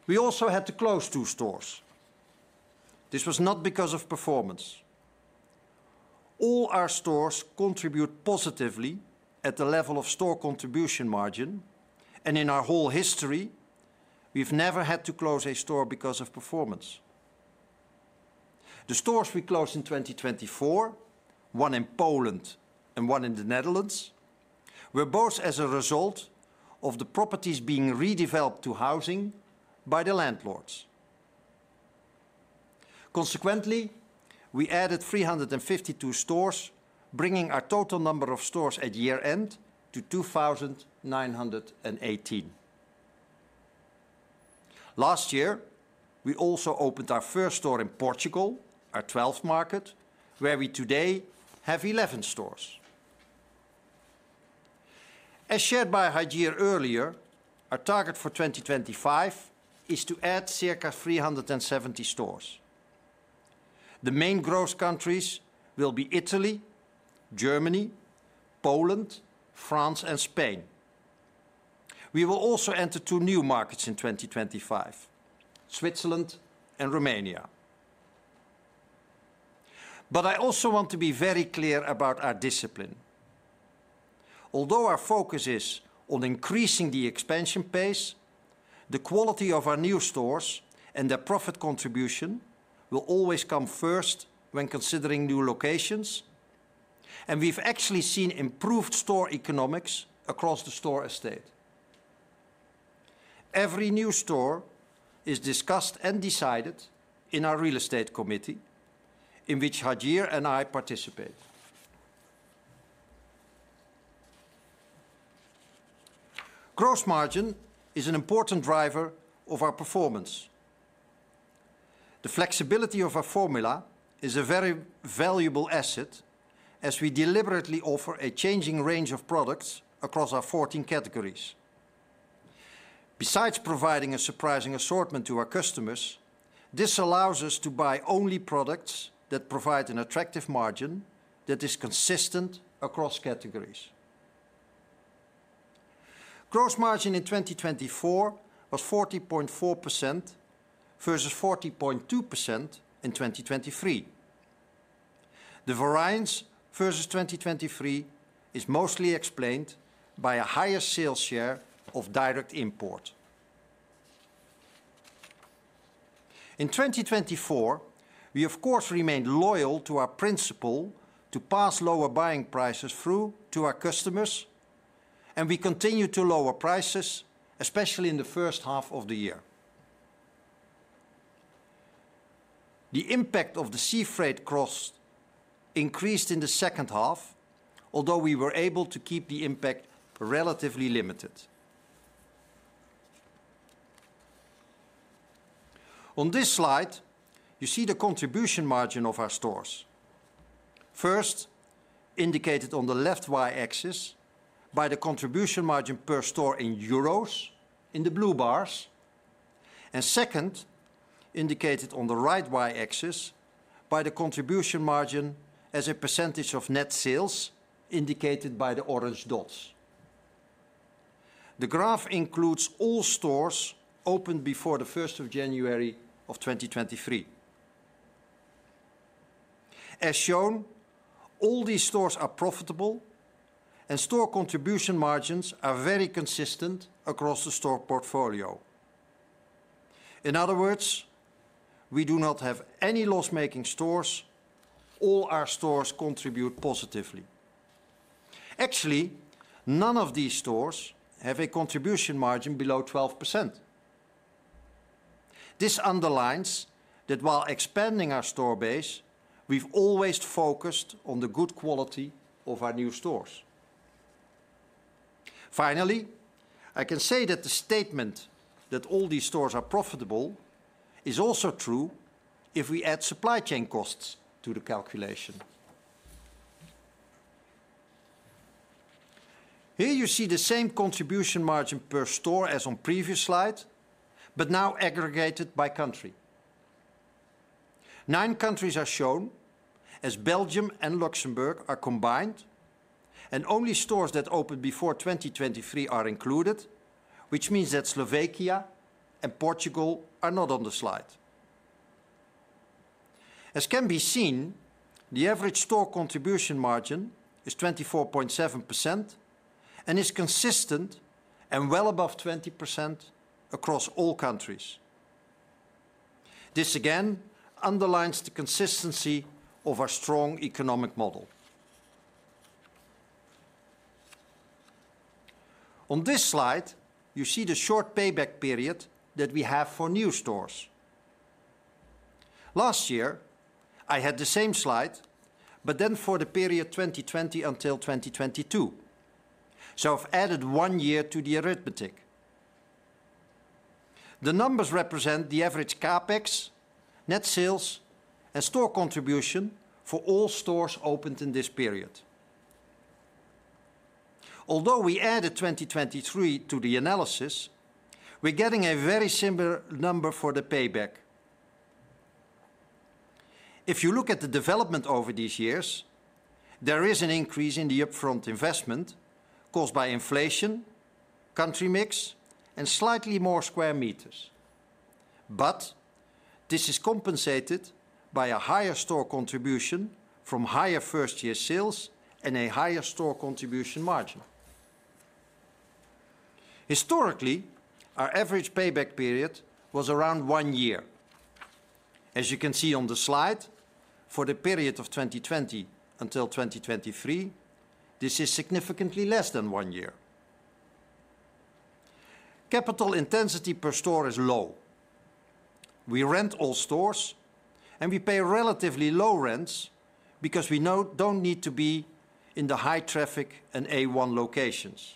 We also had to close two stores. This was not because of performance. All our stores contribute positively at the level of store contribution margin, and in our whole history, we've never had to close a store because of performance. The stores we closed in 2024, one in Poland and one in the Netherlands, were both as a result of the properties being redeveloped to housing by the landlords. Consequently, we added 352 stores, bringing our total number of stores at year-end to 2,918. Last year, we also opened our first store in Portugal, our 12th market, where we today have 11 stores. As shared by Hajir earlier, our target for 2025 is to add circa 370 stores. The main growth countries will be Italy, Germany, Poland, France, and Spain. We will also enter two new markets in 2025, Switzerland and Romania. I also want to be very clear about our discipline. Although our focus is on increasing the expansion pace, the quality of our new stores and their profit contribution will always come first when considering new locations, and we've actually seen improved store economics across the store estate. Every new store is discussed and decided in our real estate committee, in which Hajir and I participate. Gross margin is an important driver of our performance. The flexibility of our formula is a very valuable asset, as we deliberately offer a changing range of products across our 14 categories. Besides providing a surprising assortment to our customers, this allows us to buy only products that provide an attractive margin that is consistent across categories. Gross margin in 2024 was 40.4% versus 40.2% in 2023. The variance versus 2023 is mostly explained by a higher sales share of direct import. In 2024, we, of course, remained loyal to our principle to pass lower buying prices through to our customers, and we continued to lower prices, especially in the first half of the year. The impact of the sea freight costs increased in the second half, although we were able to keep the impact relatively limited. On this slide, you see the contribution margin of our stores. First, indicated on the left Y-axis by the contribution margin per store in euros in the blue bars, and second, indicated on the right Y-axis by the contribution margin as a percentage of net sales indicated by the orange dots. The graph includes all stores opened before the 1st of January of 2023. As shown, all these stores are profitable, and store contribution margins are very consistent across the store portfolio. In other words, we do not have any loss-making stores; all our stores contribute positively. Actually, none of these stores have a contribution margin below 12%. This underlines that while expanding our store base, we've always focused on the good quality of our new stores. Finally, I can say that the statement that all these stores are profitable is also true if we add supply chain costs to the calculation. Here you see the same contribution margin per store as on the previous slide, but now aggregated by country. Nine countries are shown, as Belgium and Luxembourg are combined, and only stores that opened before 2023 are included, which means that Slovakia and Portugal are not on the slide. As can be seen, the average store contribution margin is 24.7% and is consistent and well above 20% across all countries. This again underlines the consistency of our strong economic model. On this slide, you see the short payback period that we have for new stores. Last year, I had the same slide, but then for the period 2020 until 2022. So I've added one year to the arithmetic. The numbers represent the average capex, net sales, and store contribution for all stores opened in this period. Although we added 2023 to the analysis, we're getting a very similar number for the payback. If you look at the development over these years, there is an increase in the upfront investment caused by inflation, country mix, and slightly more square meters. But this is compensated by a higher store contribution from higher first-year sales and a higher store contribution margin. Historically, our average payback period was around one year. As you can see on the slide, for the period of 2020 until 2023, this is significantly less than one year. Capital intensity per store is low. We rent all stores, and we pay relatively low rents because we don't need to be in the high-traffic and A1 locations.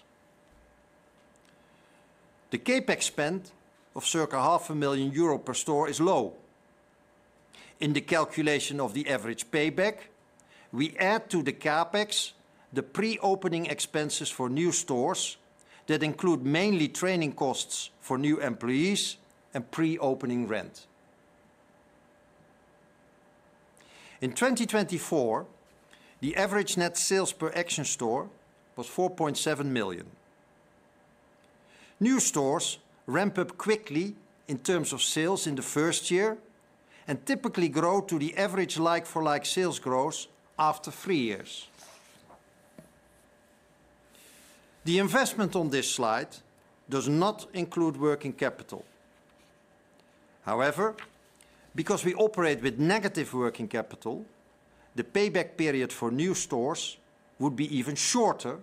The capex spend of circa €500,000 per store is low. In the calculation of the average payback, we add to the capex the pre-opening expenses for new stores that include mainly training costs for new employees and pre-opening rent. In 2024, the average net sales per Action store was €4.7 million. New stores ramp up quickly in terms of sales in the first year and typically grow to the average like-for-like sales growth after three years. The investment on this slide does not include working capital. However, because we operate with negative working capital, the payback period for new stores would be even shorter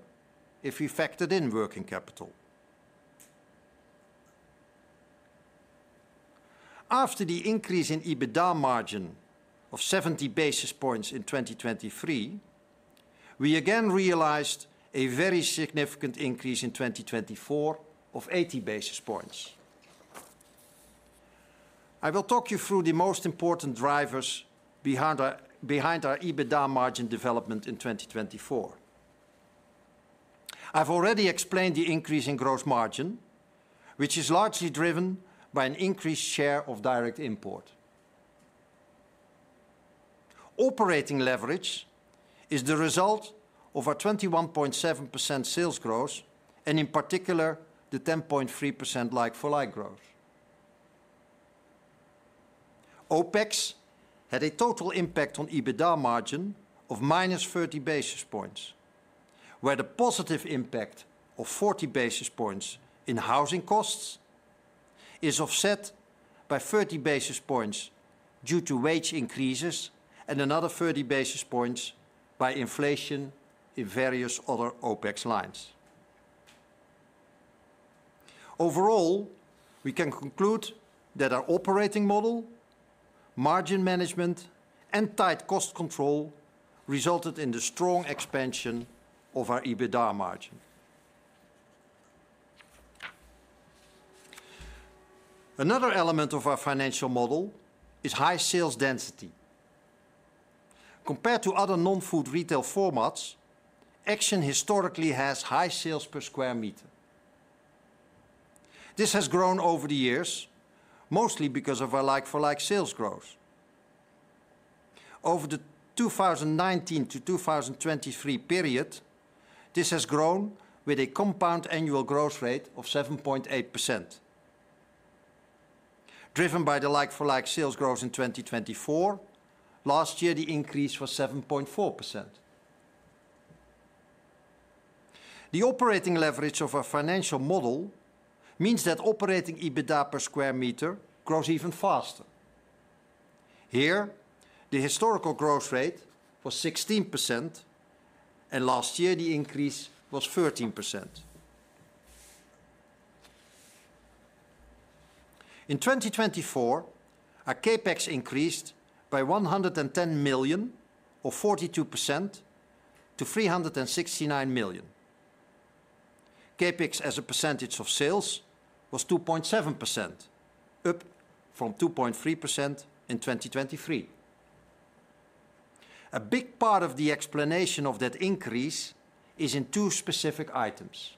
if we factored in working capital. After the increase in EBITDA margin of 70 basis points in 2023, we again realized a very significant increase in 2024 of 80 basis points. I will talk you through the most important drivers behind our EBITDA margin development in 2024. I've already explained the increase in gross margin, which is largely driven by an increased share of direct import. Operating leverage is the result of our 21.7% sales growth and, in particular, the 10.3% like-for-like growth. OPEX had a total impact on EBITDA margin of minus 30 basis points, where the positive impact of 40 basis points in housing costs is offset by 30 basis points due to wage increases and another 30 basis points by inflation in various other OPEX lines. Overall, we can conclude that our operating model, margin management, and tight cost control resulted in the strong expansion of our EBITDA margin. Another element of our financial model is high sales density. Compared to other non-food retail formats, Action historically has high sales per square meter. This has grown over the years, mostly because of our like-for-like sales growth. Over the 2019 to 2023 period, this has grown with a compound annual growth rate of 7.8%. Driven by the like-for-like sales growth in 2024, last year the increase was 7.4%. The operating leverage of our financial model means that operating EBITDA per square meter grows even faster. Here, the historical growth rate was 16%, and last year the increase was 13%. In 2024, our capex increased by $110 million, or 42%, to $369 million. Capex as a percentage of sales was 2.7%, up from 2.3% in 2023. A big part of the explanation of that increase is in two specific items.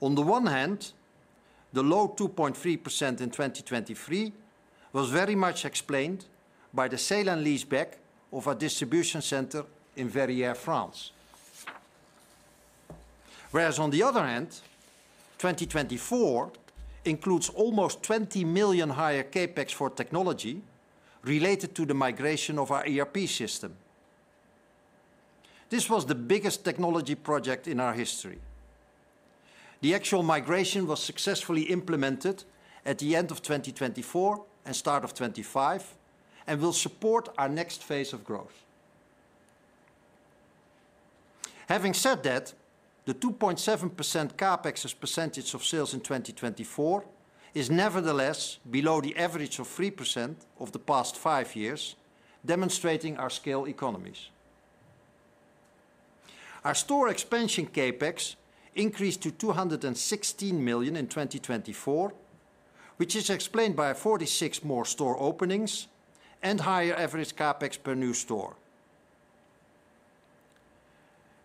On the one hand, the low 2.3% in 2023 was very much explained by the sale and lease back of our distribution center in Verrières, France. On the other hand, 2024 includes almost $20 million higher capex for technology related to the migration of our ERP system. This was the biggest technology project in our history. The actual migration was successfully implemented at the end of 2024 and start of 2025, and will support our next phase of growth. Having said that, the 2.7% capex as percentage of sales in 2024 is nevertheless below the average of 3% of the past five years, demonstrating our scale economies. Our store expansion capex increased to $216 million in 2024, which is explained by 46 more store openings and higher average capex per new store.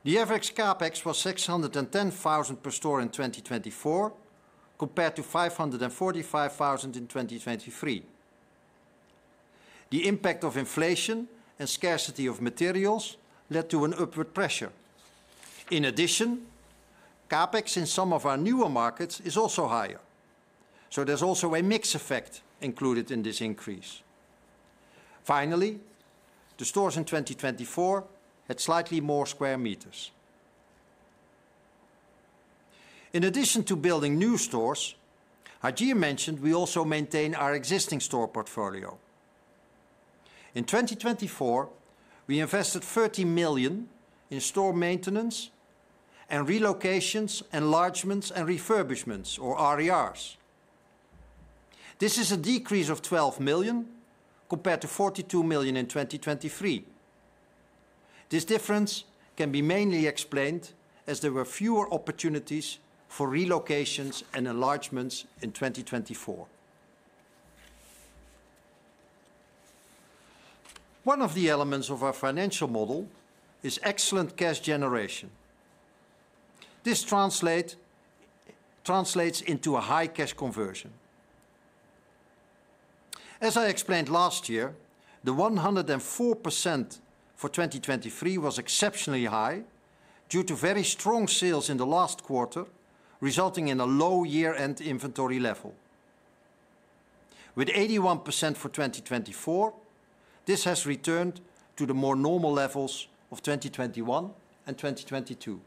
The average capex was $610,000 per store in 2024, compared to $545,000 in 2023. The impact of inflation and scarcity of materials led to an upward pressure. In addition, capex in some of our newer markets is also higher, so there's also a mix effect included in this increase. Finally, the stores in 2024 had slightly more square meters. In addition to building new stores, Hajir mentioned we also maintain our existing store portfolio. In 2024, we invested $30 million in store maintenance and relocations, enlargements, and refurbishments, or RERs. This is a decrease of $12 million compared to $42 million in 2023. This difference can be mainly explained as there were fewer opportunities for relocations and enlargements in 2024. One of the elements of our financial model is excellent cash generation. This translates into a high cash conversion. As I explained last year, the 104% for 2023 was exceptionally high due to very strong sales in the last quarter, resulting in a low year-end inventory level. With 81% for 2024, this has returned to the more normal levels of 2021 and 2022.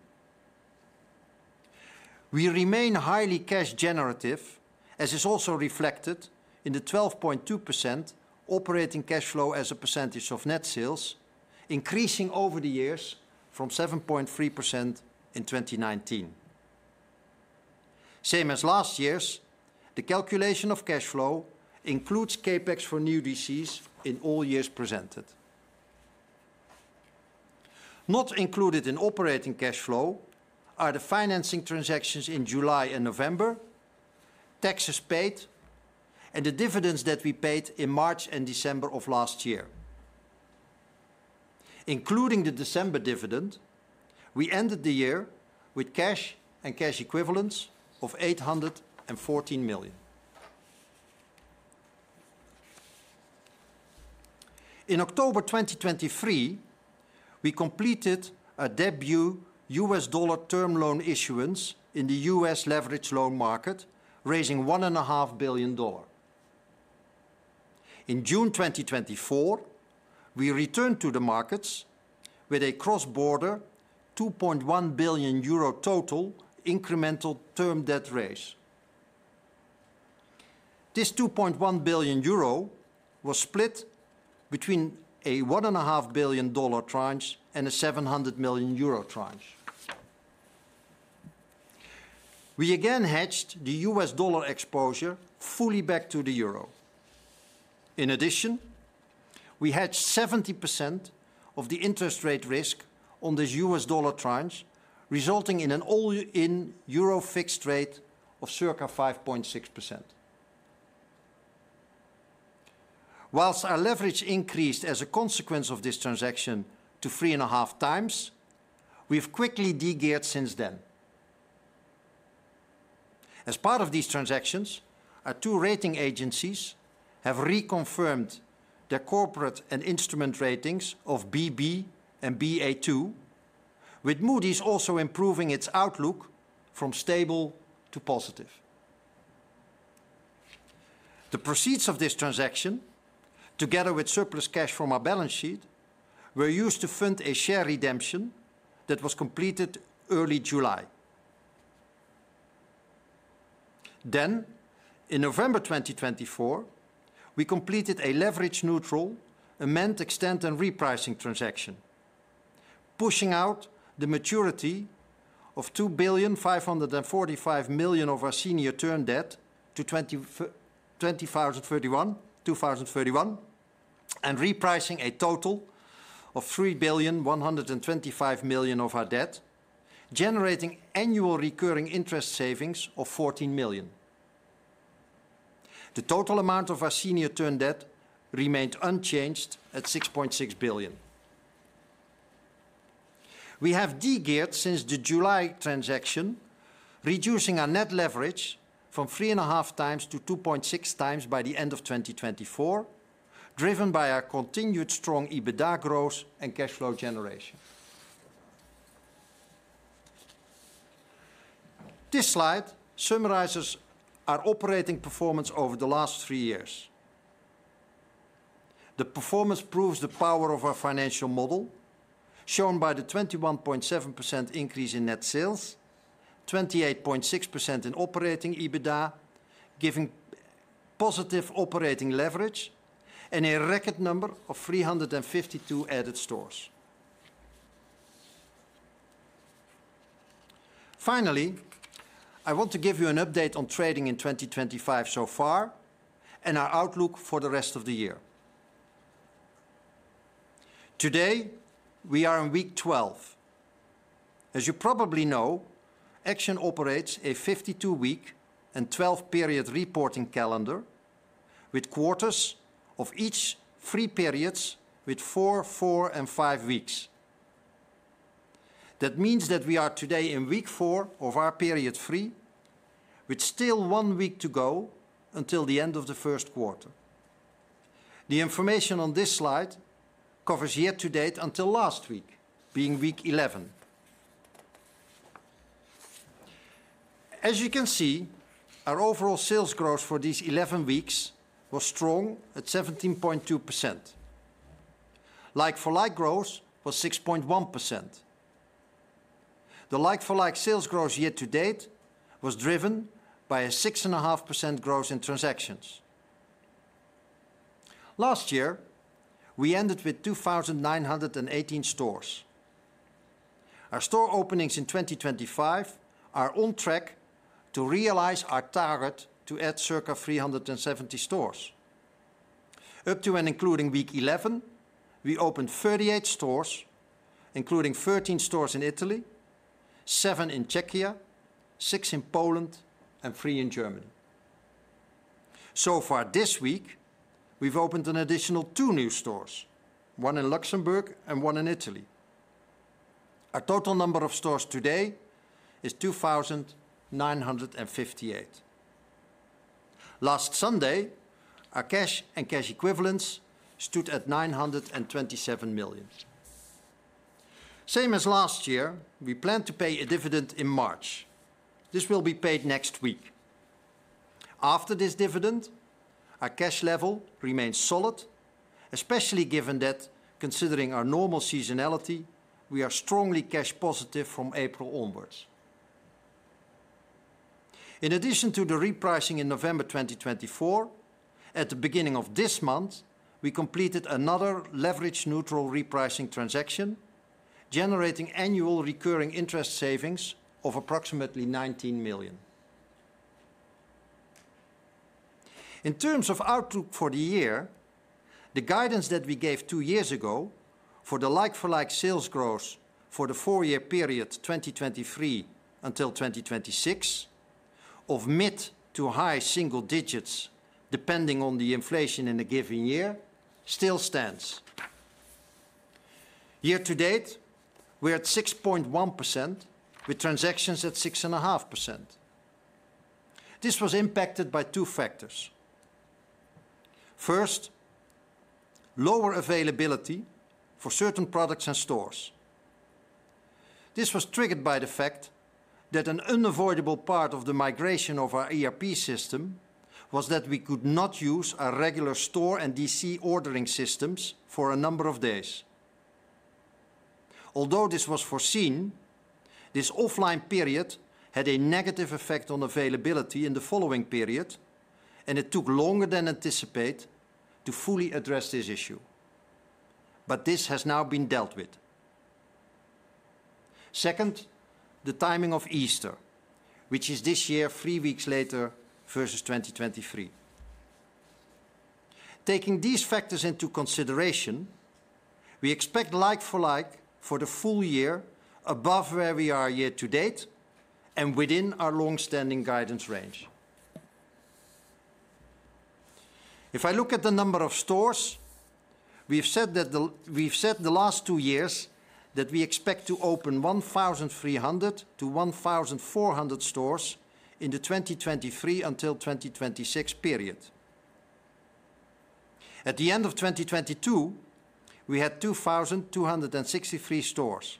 We remain highly cash generative, as is also reflected in the 12.2% operating cash flow as a percentage of net sales, increasing over the years from 7.3% in 2019. Same as last year's, the calculation of cash flow includes capex for new DCs in all years presented. Not included in operating cash flow are the financing transactions in July and November, taxes paid, and the dividends that we paid in March and December of last year. Including the December dividend, we ended the year with cash and cash equivalents of $814 million. In October 2023, we completed a debut US dollar term loan issuance in the US leveraged loan market, raising $1.5 billion. In June 2024, we returned to the markets with a cross-border €2.1 billion total incremental term debt raise. This €2.1 billion was split between a $1.5 billion tranche and a €700 million tranche. We again hedged the US dollar exposure fully back to the euro. In addition, we hedged 70% of the interest rate risk on the US dollar tranche, resulting in an all-in euro fixed rate of circa 5.6%. Whilst our leverage increased as a consequence of this transaction to three and a half times, we've quickly degeared since then. As part of these transactions, our two rating agencies have reconfirmed their corporate and instrument ratings of BB and Ba2, with Moody's also improving its outlook from stable to positive. The proceeds of this transaction, together with surplus cash from our balance sheet, were used to fund a share redemption that was completed early July. In November 2024, we completed a leverage-neutral amend extent and repricing transaction, pushing out the maturity of $2.545 billion of our senior term debt to 2031 and repricing a total of $3.125 billion of our debt, generating annual recurring interest savings of $14 million. The total amount of our senior term debt remained unchanged at $6.6 billion. We have degeared since the July transaction, reducing our net leverage from 3.5 times to 2.6 times by the end of 2024, driven by our continued strong EBITDA growth and cash flow generation. This slide summarizes our operating performance over the last three years. The performance proves the power of our financial model, shown by the 21.7% increase in net sales, 28.6% in operating EBITDA, giving positive operating leverage, and a record number of 352 added stores. Finally, I want to give you an update on trading in 2025 so far and our outlook for the rest of the year. Today, we are in week 12. As you probably know, Action operates a 52-week and 12-period reporting calendar, with quarters of each three periods with four, four, and five weeks. That means that we are today in week four of our period three, with still one week to go until the end of the Q1. The information on this slide covers year-to-date until last week, being week 11. As you can see, our overall sales growth for these 11 weeks was strong at 17.2%. Like-for-like growth was 6.1%. The like-for-like sales growth year-to-date was driven by a 6.5% growth in transactions. Last year, we ended with 2,918 stores. Our store openings in 2025 are on track to realize our target to add circa 370 stores. Up to and including week 11, we opened 38 stores, including 13 stores in Italy, 7 in Czechia, 6 in Poland, and 3 in Germany. So far this week, we've opened an additional two new stores, one in Luxembourg and one in Italy. Our total number of stores today is 2,958. Last Sunday, our cash and cash equivalents stood at $927 million. Same as last year, we plan to pay a dividend in March. This will be paid next week. After this dividend, our cash level remains solid, especially given that, considering our normal seasonality, we are strongly cash positive from April onwards. In addition to the repricing in November 2024, at the beginning of this month, we completed another leverage-neutral repricing transaction, generating annual recurring interest savings of approximately $19 million. In terms of outlook for the year, the guidance that we gave two years ago for the like-for-like sales growth for the four-year period 2023 until 2026, of mid to high single digits depending on the inflation in a given year, still stands. Year-to-date, we're at 6.1% with transactions at 6.5%. This was impacted by two factors. First, lower availability for certain products and stores. This was triggered by the fact that an unavoidable part of the migration of our ERP system was that we could not use our regular store and DC ordering systems for a number of days. Although this was foreseen, this offline period had a negative effect on availability in the following period, and it took longer than anticipated to fully address this issue. But this has now been dealt with. Second, the timing of Easter, which is this year three weeks later versus 2023. Taking these factors into consideration, we expect like-for-like for the full year above where we are year-to-date and within our long-standing guidance range. If I look at the number of stores, we've said that the last two years that we expect to open 1,300 to 1,400 stores in the 2023 until 2026 period. At the end of 2022, we had 2,263 stores,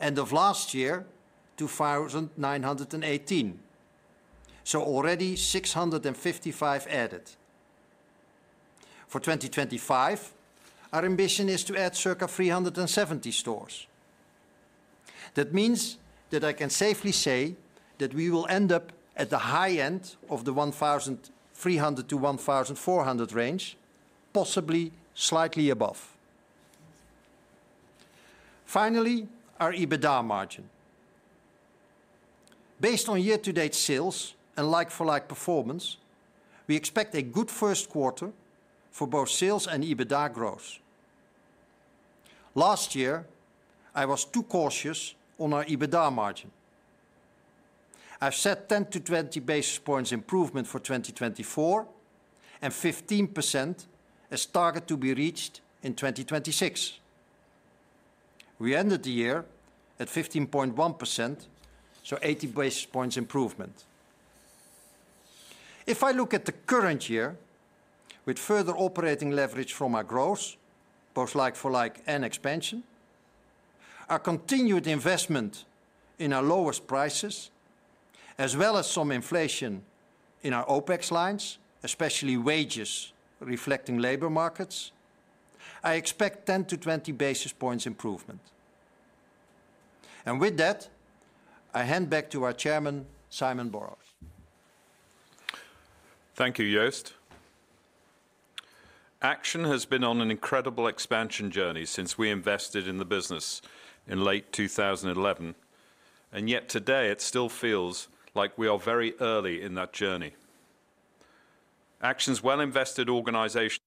and of last year, 2,918, so already 655 added. For 2025, our ambition is to add circa 370 stores. That means that I can safely say that we will end up at the high end of the 1,300 to 1,400 range, possibly slightly above. Finally, our EBITDA margin. Based on year-to-date sales and like-for-like performance, we expect a good Q1 for both sales and EBITDA growth. Last year, I was too cautious on our EBITDA margin. I've set 10 to 20 basis points improvement for 2024 and 15% as target to be reached in 2026. We ended the year at 15.1%, so 80 basis points improvement. If I look at the current year, with further operating leverage from our growth, both like-for-like and expansion, our continued investment in our lowest prices, as well as some inflation in our OPEX lines, especially wages reflecting labor markets, I expect 10 to 20 basis points improvement. With that, I hand back to our Chairman, Simon Borrows. Thank you, Joost. Action has been on an incredible expansion journey since we invested in the business in late 2011, and yet today it still feels like we are very early in that journey. Action's well-invested organizations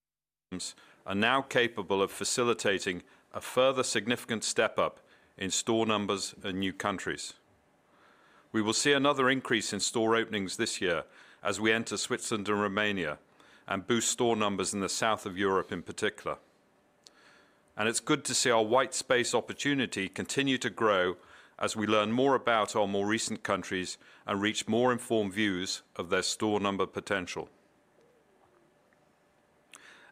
are now capable of facilitating a further significant step-up in store numbers in new countries. We will see another increase in store openings this year as we enter Switzerland and Romania and boost store numbers in the south of Europe in particular. It's good to see our white space opportunity continue to grow as we learn more about our more recent countries and reach more informed views of their store number potential.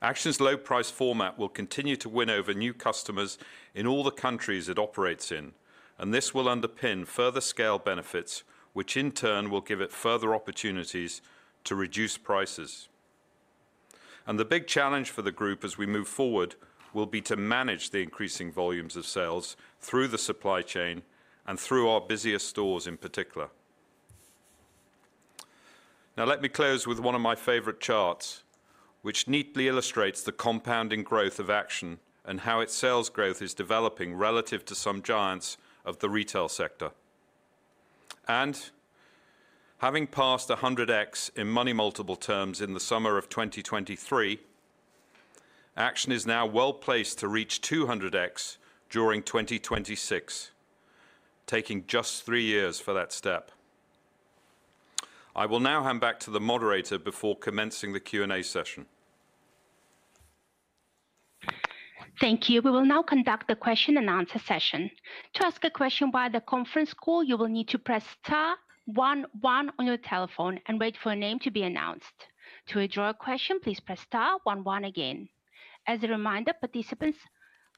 Action's low-price format will continue to win over new customers in all the countries it operates in, and this will underpin further scale benefits, which in turn will give it further opportunities to reduce prices. The big challenge for the group as we move forward will be to manage the increasing volumes of sales through the supply chain and through our busiest stores in particular. Now let me close with one of my favorite charts, which neatly illustrates the compounding growth of Action and how its sales growth is developing relative to some giants of the retail sector. Having passed 100x in money multiple terms in the summer of 2023, Action is now well placed to reach 200x during 2026, taking just three years for that step. I will now hand back to the moderator before commencing the Q&A session. Thank you. We will now conduct the question and answer session. To ask a question via the conference call, you will need to press star one one on your telephone and wait for a name to be announced. To withdraw a question, please press star one one again. As a reminder, participants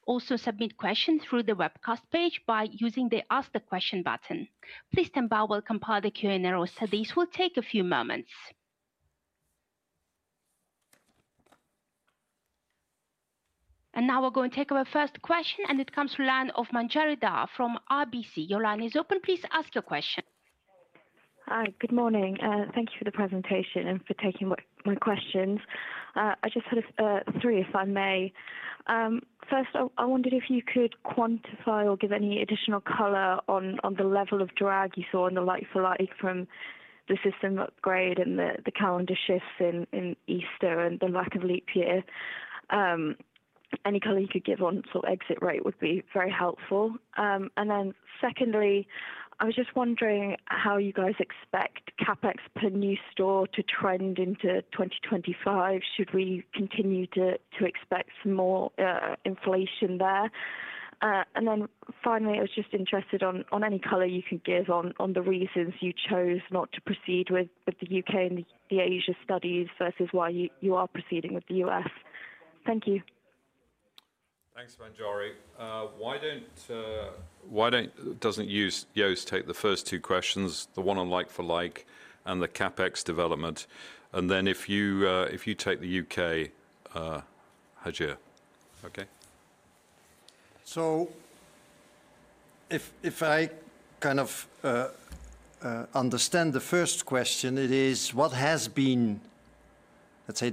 also submit questions through the webcast page by using the Ask the Question button. Please stand by while we compile the Q&A roster. This will take a few moments. Now we're going to take our first question, and it comes from line of Manjari Dhar from RBC. Your line is open. Please ask your question. Hi, good morning. Thank you for the presentation and for taking my questions. I just had three, if I may. First, I wondered if you could quantify or give any additional color on the level of drag you saw in the like-for-like from the system upgrade and the calendar shifts in Easter and the lack of leap year. Any color you could give on sort of exit rate would be very helpful. And then secondly, I was just wondering how you guys expect CAPEX per new store to trend into 2025. Should we continue to expect some more inflation there? And then finally, I was just interested on any color you can give on the reasons you chose not to proceed with the UK and the Asia studies versus why you are proceeding with the US. Thank you. Thanks, Manjari. Why don't Joost take the first two questions, the one on like-for-like and the CAPEX development? And then if you take the UK, Hajir, okay? So if I kind of understand the first question, it is what has been, let's say,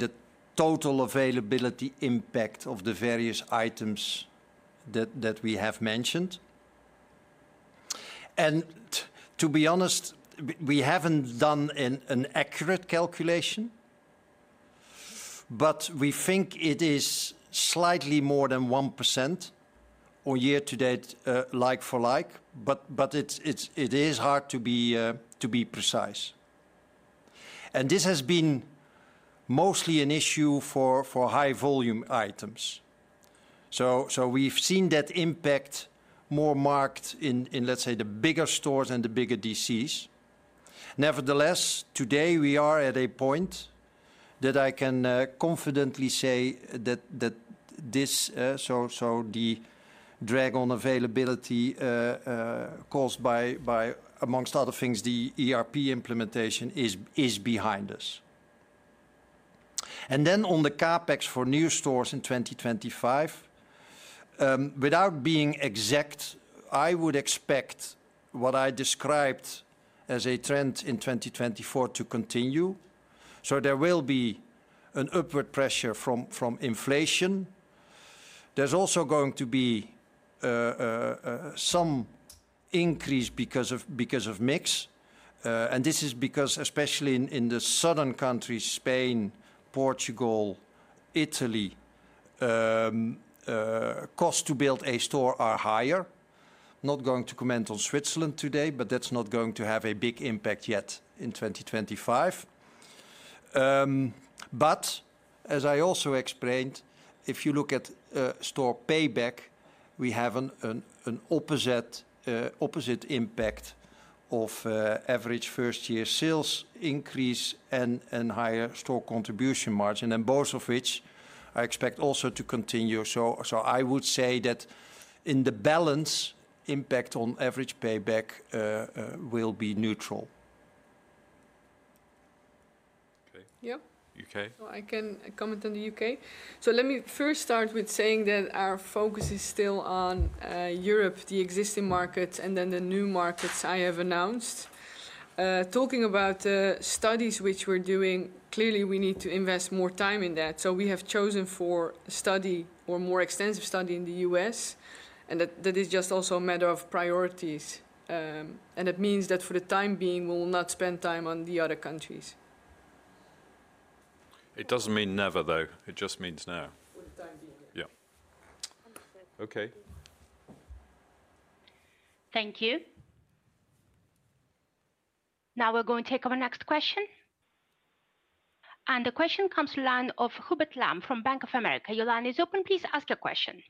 the total availability impact of the various items that we have mentioned? And to be honest, we haven't done an accurate calculation, but we think it is slightly more than 1% on year-to-date like-for-like, but it is hard to be precise. This has been mostly an issue for high-volume items. We've seen that impact more marked in the bigger stores and the bigger DCs. Nevertheless, today we are at a point that I can confidently say that the drag on availability caused by, amongst other things, the ERP implementation is behind us. On the CAPEX for new stores in 2025, without being exact, I would expect what I described as a trend in 2024 to continue. There will be an upward pressure from inflation. There's also going to be some increase because of mix. This is because, especially in the southern countries, Spain, Portugal, Italy, costs to build a store are higher. Not going to comment on Switzerland today, but that's not going to have a big impact yet in 2025. But as I also explained, if you look at store payback, we have an opposite impact of average first-year sales increase and higher store contribution margin, and both of which I expect also to continue. I would say that in the balance, impact on average payback will be neutral. UK? Well, I can comment on the UK. Let me first start with saying that our focus is still on Europe, the existing markets, and then the new markets I have announced. Talking about the studies which we're doing, clearly we need to invest more time in that. We have chosen for a study or more extensive study in the US, and that is just also a matter of priorities. It means that for the time being, we will not spend time on the other countries. It doesn't mean never, though. It just means now. For the time being, yes. Yeah. Understood. Okay. Thank you. Now we're going to take our next question. The question comes to line of Hubert Lam from Bank of America. Your line is open. Please ask your question.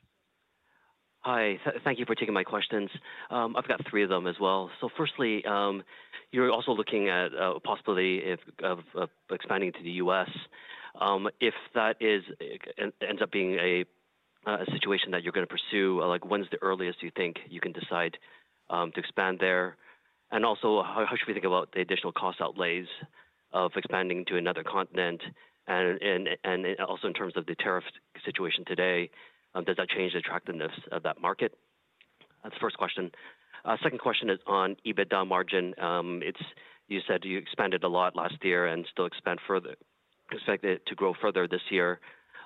Hi. Thank you for taking my questions. I've got three of them as well. So firstly, you're also looking at a possibility of expanding to the U.S. If that ends up being a situation that you're going to pursue, like when's the earliest you think you can decide to expand there? Also, how should we think about the additional cost outlays of expanding to another continent? Also in terms of the tariff situation today, does that change the attractiveness of that market? That's the first question. Second question is on EBITDA margin. You said you expanded a lot last year and still expect it to grow further this year.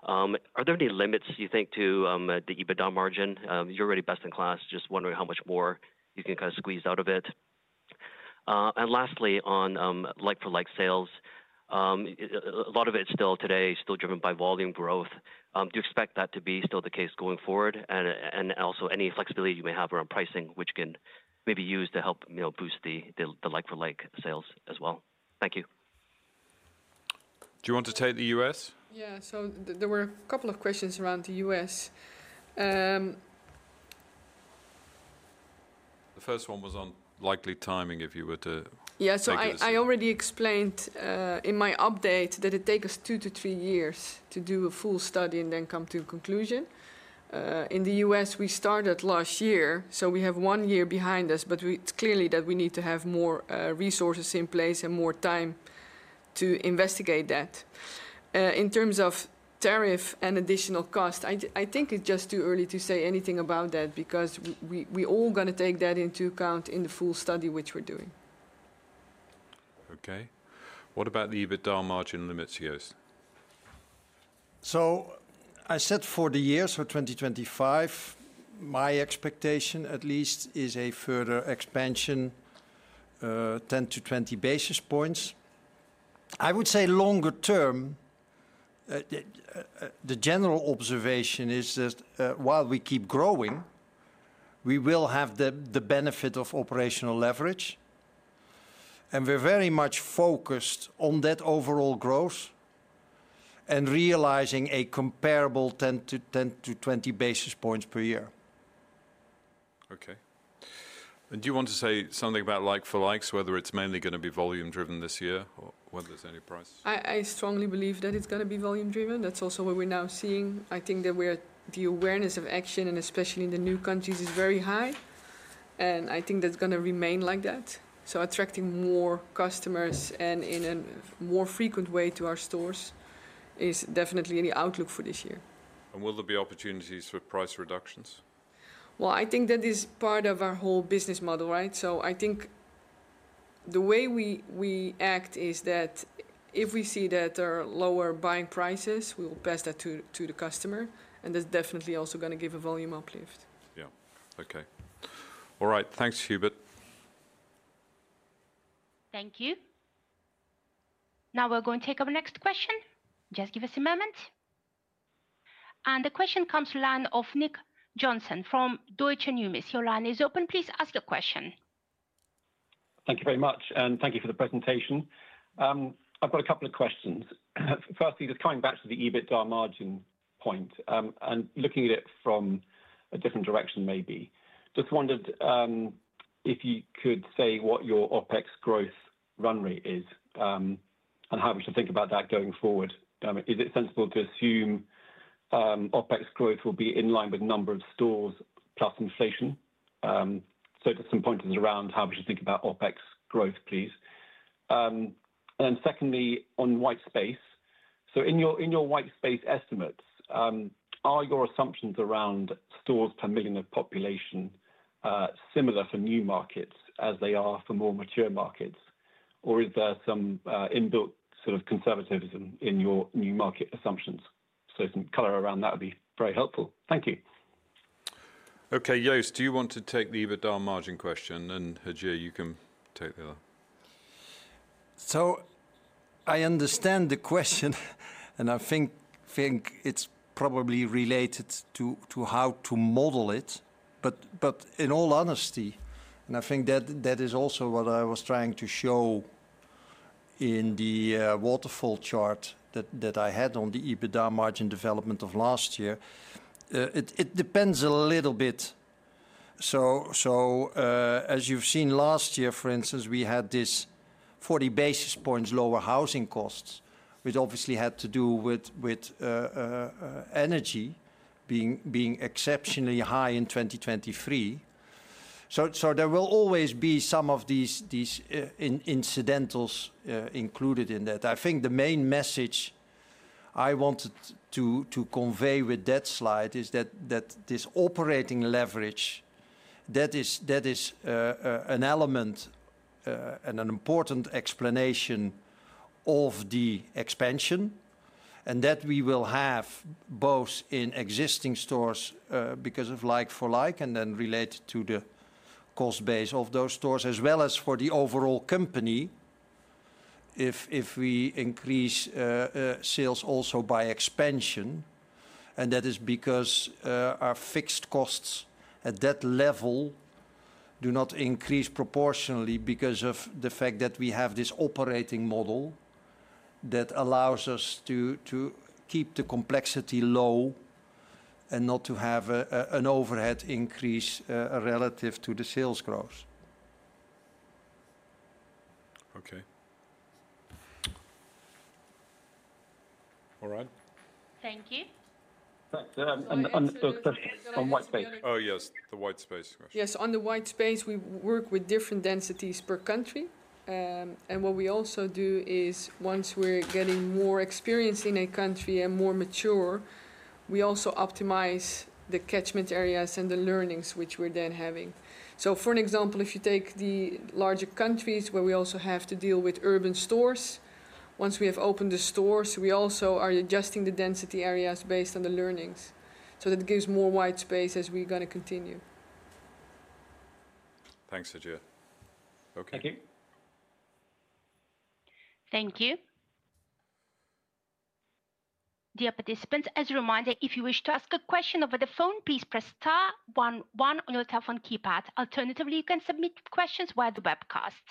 Are there any limits, you think, to the EBITDA margin? You're already best in class, just wondering how much more you can kind of squeeze out of it. And lastly, on like-for-like sales, a lot of it still today is still driven by volume growth. Do you expect that to be still the case going forward? And also any flexibility you may have around pricing, which can maybe be used to help boost the like-for-like sales as well? Thank you. Do you want to take the US? Yeah. So there were a couple of questions around the US. The first one was on likely timing if you were to. Yeah. So I already explained in my update that it takes us two to three years to do a full study and then come to a conclusion. In the US, we started last year, so we have one year behind us, but it's clear that we need to have more resources in place and more time to investigate that. In terms of tariff and additional cost, I think it's just too early to say anything about that because we're all going to take that into account in the full study which we're doing. What about the EBITDA margin limits, Joost? So I said for the year for 2025, my expectation at least is a further expansion, 10 to 20 basis points. I would say longer term, the general observation is that while we keep growing, we will have the benefit of operational leverage. We're very much focused on that overall growth and realizing a comparable 10 to 20 basis points per year. Do you want to say something about like-for-likes, whether it's mainly going to be volume-driven this year or whether there's any price? I strongly believe that it's going to be volume-driven. That's also what we're now seeing. I think that the awareness of Action, and especially in the new countries, is very high. I think that's going to remain like that. Attracting more customers and in a more frequent way to our stores is definitely the outlook for this year. Will there be opportunities for price reductions? I think that is part of our whole business model, right? The way we act is that if we see that there are lower buying prices, we will pass that to the customer. That's definitely also going to give a volume uplift. Okay. All right. Thanks, Hubert. Thank you. Now we're going to take our next question. Just give us a moment. The question comes to line of Nick Johnson from Deutsche Numis. Your line is open. Please ask your question. Thank you very much. Thank you for the presentation. I've got a couple of questions. Firstly, just coming back to the EBITDA margin point and looking at it from a different direction maybe. Just wondered if you could say what your OPEX growth run rate is and how we should think about that going forward. Is it sensible to assume OPEX growth will be in line with number of stores plus inflation? So just some pointers around how we should think about OPEX growth, please. Secondly, on white space. So in your white space estimates, are your assumptions around stores per million of population similar for new markets as they are for more mature markets? Or is there some inbuilt sort of conservatism in your new market assumptions? So some color around that would be very helpful. Thank you. Okay. Joost, do you want to take the EBITDA margin question? And Hajir, you can take the other. I understand the question, and I think it's probably related to how to model it. But in all honesty, and I think that is also what I was trying to show in the waterfall chart that I had on the EBITDA margin development of last year, it depends a little bit. As you've seen last year, for instance, we had this 40 basis points lower housing costs, which obviously had to do with energy being exceptionally high in 2023. There will always be some of these incidentals included in that. I think the main message I wanted to convey with that slide is that this operating leverage, that is an element and an important explanation of the expansion. We will have both in existing stores because of like-for-like and then related to the cost base of those stores, as well as for the overall company if we increase sales also by expansion. That is because our fixed costs at that level do not increase proportionally because of the fact that we have this operating model that allows us to keep the complexity low and not to have an overhead increase relative to the sales growth. All right. Thank you. Thanks. On white space. Yes, the white space question. On the white space, we work with different densities per country. What we also do is once we're getting more experience in a country and more mature, we also optimize the catchment areas and the learnings which we're then having. For an example, if you take the larger countries where we also have to deal with urban stores, once we have opened the stores, we also are adjusting the density areas based on the learnings. That gives more white space as we're going to continue. Thanks, Hajir. Okay. Thank you. Thank you. Dear participants, as a reminder, if you wish to ask a question over the phone, please press star one on your telephone keypad. Alternatively, you can submit questions via the webcast.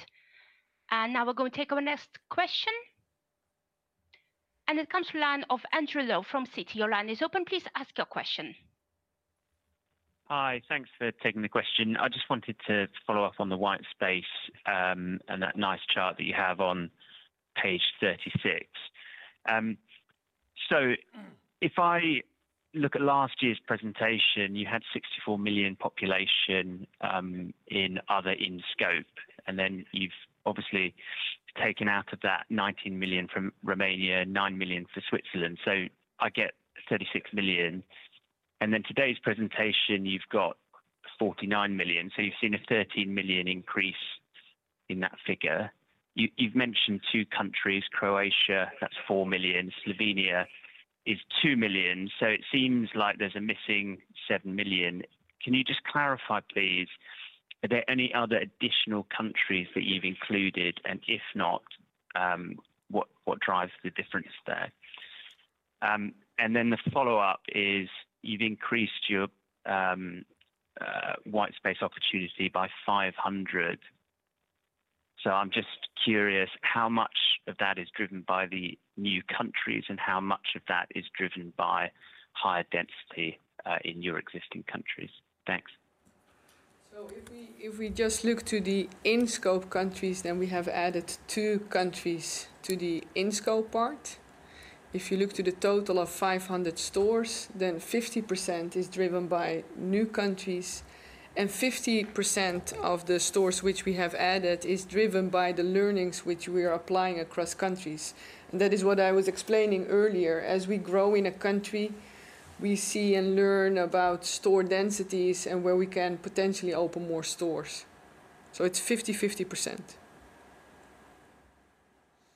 Now we're going to take our next question. It comes from line of Andrew Lowe from Citi. Your line is open. Please ask your question. Hi. Thanks for taking the question. I just wanted to follow up on the white space and that nice chart that you have on page 36. So if I look at last year's presentation, you had 64 million population in other in scope. And then you've obviously taken out of that 19 million from Romania, 9 million for Switzerland. So I get 36 million. And then today's presentation, you've got 49 million. So you've seen a 13 million increase in that figure. You've mentioned two countries, Croatia, that's 4 million. Slovenia is 2 million. So it seems like there's a missing 7 million. Can you just clarify, please, are there any other additional countries that you've included? And if not, what drives the difference there? And then the follow-up is you've increased your white space opportunity by 500. I'm just curious how much of that is driven by the new countries and how much of that is driven by higher density in your existing countries. Thanks. If we just look to the in-scope countries, then we have added two countries to the in-scope part. If you look to the total of 500 stores, then 50% is driven by new countries. And 50% of the stores which we have added is driven by the learnings which we are applying across countries. And that is what I was explaining earlier. As we grow in a country, we see and learn about store densities and where we can potentially open more stores. It's 50-50%.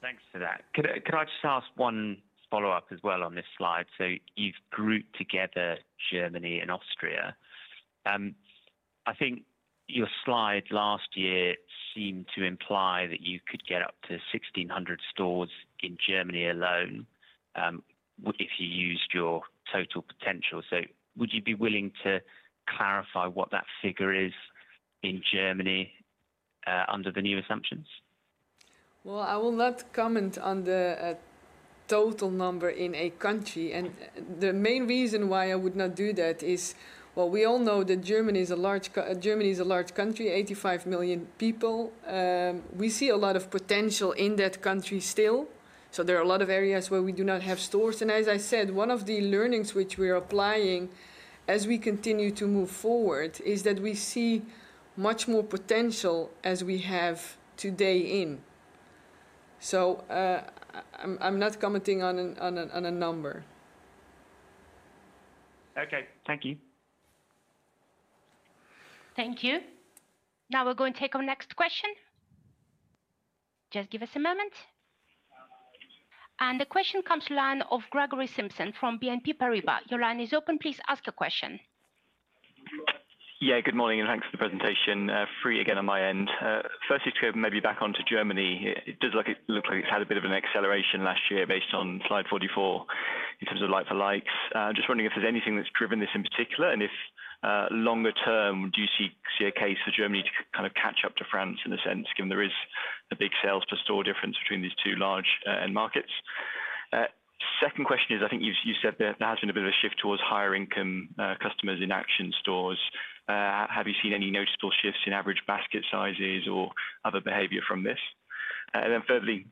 Thanks for that. Could I just ask one follow-up as well on this slide? You've grouped together Germany and Austria. I think your slide last year seemed to imply that you could get up to 1,600 stores in Germany alone if you used your total potential. So would you be willing to clarify what that figure is in Germany under the new assumptions? I will not comment on the total number in a country. The main reason why I would not do that is we all know that Germany is a large country, 85 million people. We see a lot of potential in that country still. So there are a lot of areas where we do not have stores. As I said, one of the learnings which we're applying as we continue to move forward is that we see much more potential as we have today. So I'm not commenting on a number. Okay. Thank you. Thank you. Now we're going to take our next question. Just give us a moment. The question comes to line of Gregory Simpson from BNP Paribas. Your line is it open. Please ask your question. Yeah. Good morning and thanks for the presentation. Three again on my end. Firstly, to go maybe back onto Germany, it does look like it's had a bit of an acceleration last year based on slide 44 in terms of like-for-likes. I'm just wondering if there's anything that's driven this in particular and if longer term do you see a case for Germany to kind of catch up to France in a sense, given there is a big sales per store difference between these two large end markets? Second question is, I think you said there has been a bit of a shift towards higher income customers in Action stores. Have you seen any noticeable shifts in average basket sizes or other behavior from this? And then thirdly,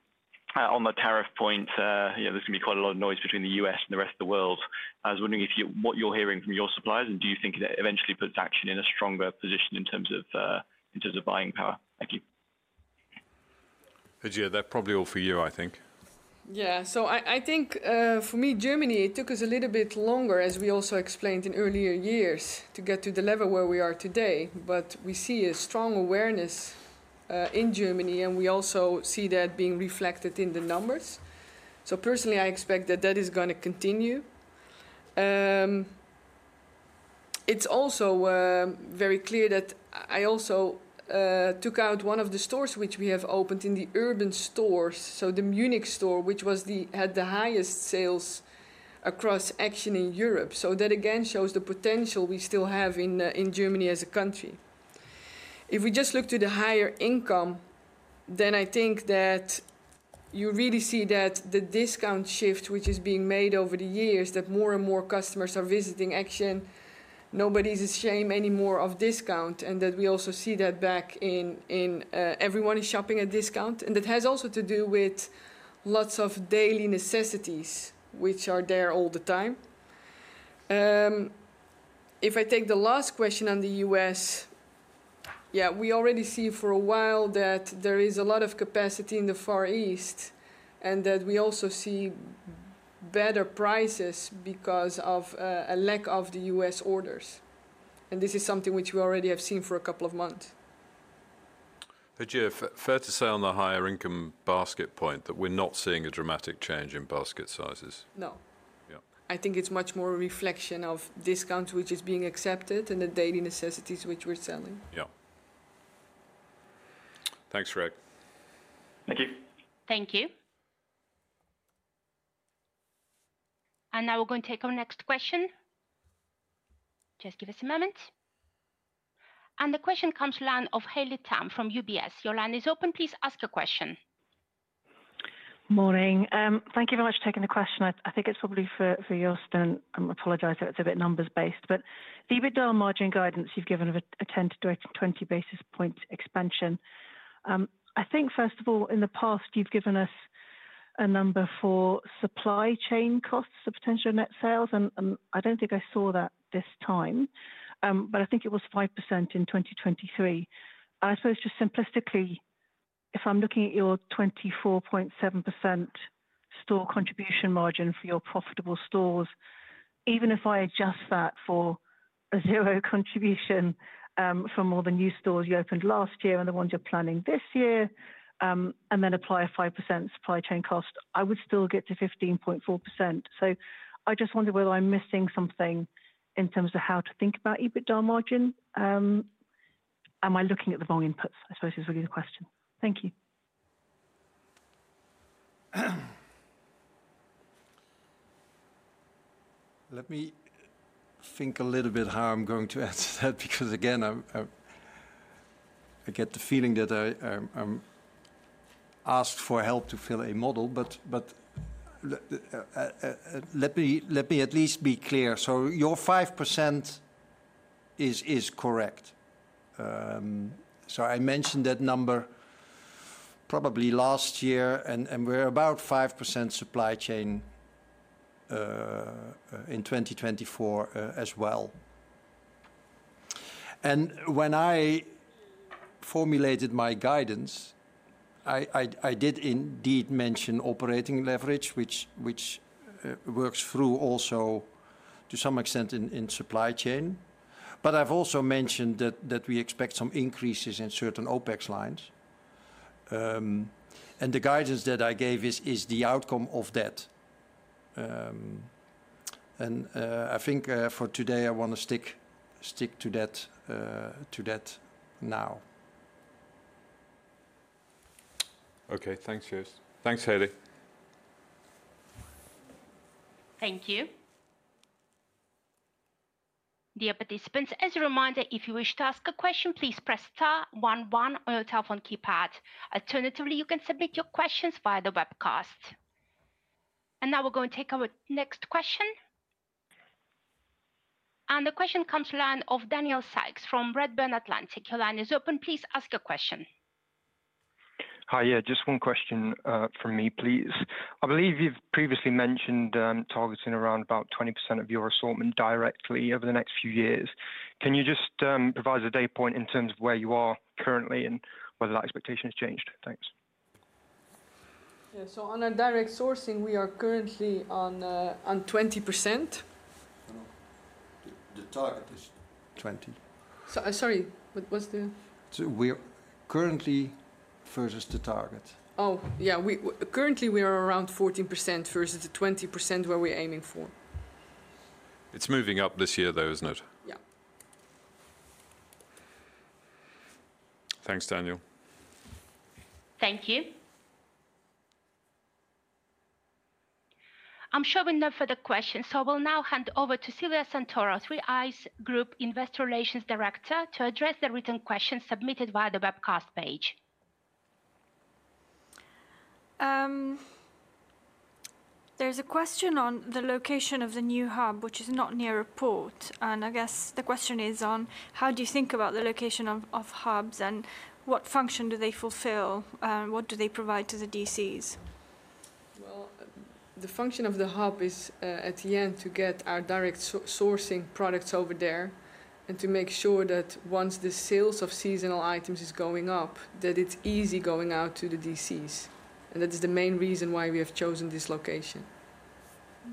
on the tariff point, there's going to be quite a lot of noise between the US and the rest of the world. I was wondering what you're hearing from your suppliers and do you think it eventually puts Action in a stronger position in terms of buying power? Thank you. Hajir, that's probably all for you, I think. Yeah. I think for me, Germany, it took us a little bit longer, as we also explained in earlier years, to get to the level where we are today. But we see a strong awareness in Germany, and we also see that being reflected in the numbers. Personally, I expect that that is going to continue. It's also very clear that I also took out one of the stores which we have opened in the urban stores, so the Munich store, which had the highest sales across Action in Europe. That again shows the potential we still have in Germany as a country. If we just look to the higher income, then I think that you really see that the discount shift which is being made over the years, that more and more customers are visiting Action, nobody's ashamed anymore of discount, and that we also see that back in everyone is shopping at discount. That has also to do with lots of daily necessities which are there all the time. If I take the last question on the US, yeah, we already see for a while that there is a lot of capacity in the Far East and that we also see better prices because of a lack of the US orders. This is something which we already have seen for a couple of months. Hajir, fair to say on the higher income basket point that we're not seeing a dramatic change in basket sizes? No. I think it's much more a reflection of discount which is being accepted and the daily necessities which we're selling. Yeah. Thanks, Greg. Thank you. Thank you. Now we're going to take our next question. Just give us a moment. The question comes to line of Haley Tam from UBS. Your line is open. Please ask your question. Morning. Thank you very much for taking the question. I think it's probably for yours. I apologize if it's a bit numbers-based. But the EBITDA margin guidance you've given of a 10 to 20 basis point expansion, I think, first of all, in the past, you've given us a number for supply chain costs, the potential net sales. I don't think I saw that this time, but I think it was 5% in 2023. I suppose just simplistically, if I'm looking at your 24.7% store contribution margin for your profitable stores, even if I adjust that for a zero contribution for more than new stores you opened last year and the ones you're planning this year, and then apply a 5% supply chain cost, I would still get to 15.4%. So I just wonder whether I'm missing something in terms of how to think about EBITDA margin. Am I looking at the wrong inputs? I suppose is really the question. Thank you. Let me think a little bit how I'm going to answer that because, again, I get the feeling that I'm asked for help to fill a model. But let me at least be clear. So your 5% is correct. So I mentioned that number probably last year, and we're about 5% supply chain in 2024 as well. And when I formulated my guidance, I did indeed mention operating leverage, which works through also to some extent in supply chain. But I've also mentioned that we expect some increases in certain OPEX lines. And the guidance that I gave is the outcome of that. And I think for today, I want to stick to that now. Okay. Thanks, Joost. Thanks, Haley. Thank you. Dear participants, as a reminder, if you wish to ask a question, please press star one on your telephone keypad. Alternatively, you can submit your questions via the webcast. Now we're going to take our next question. The question comes to line of Daniel Sykes from Redburn Atlantic. Your line is open. Please ask your question. Hi. Yeah, just one question from me, please. I believe you've previously mentioned targeting around about 20% of your assortment directly over the next few years. Can you just provide us a data point in terms of where you are currently and whether that expectation has changed? Thanks. Yeah. So on direct sourcing, we are currently on 20%. The target is 20. Sorry, what's the? We're currently versus the target. Oh, yeah. Currently, we are around 14% versus the 20% where we're aiming for. It's moving up this year, though, isn't it? Yeah. Thanks, Daniel. Thank you. I'm showing no further questions, so I will now hand over to Silvia Santoro, 3i Group Investor Relations Director, to address the written question submitted via the webcast page. There's a question on the location of the new hub, which is not near a port. I guess the question is on how do you think about the location of hubs and what function do they fulfill? What do they provide to the DCs? The function of the hub is, at the end, to get our direct sourcing products over there and to make sure that once the sales of seasonal items are going up, that it's easy going out to the DCs. That is the main reason why we have chosen this location.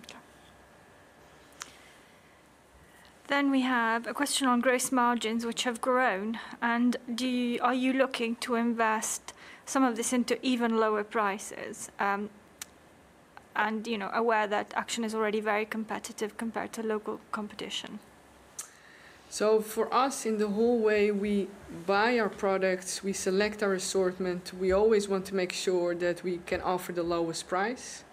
Okay. Then we have a question on gross margins, which have grown. Are you looking to invest some of this into even lower prices and aware that Action is already very competitive compared to local competition? For us, in the whole way, we buy our products, we select our assortment. We always want to make sure that we can offer the lowest price.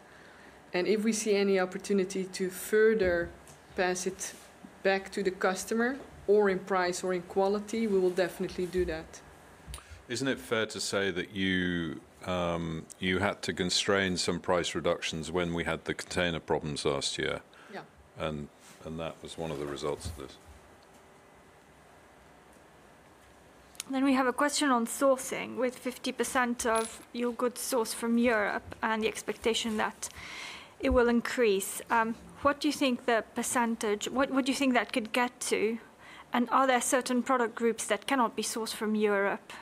If we see any opportunity to further pass it back to the customer, or in price or in quality, we will definitely do that. Isn't it fair to say that you had to constrain some price reductions when we had the container problems last year? Yeah. That was one of the results of this. Then we have a question on sourcing with 50% of your goods sourced from Europe and the expectation that it will increase. What do you think the percentage would you think that could get to? Are there certain product groups that cannot be sourced from Europe?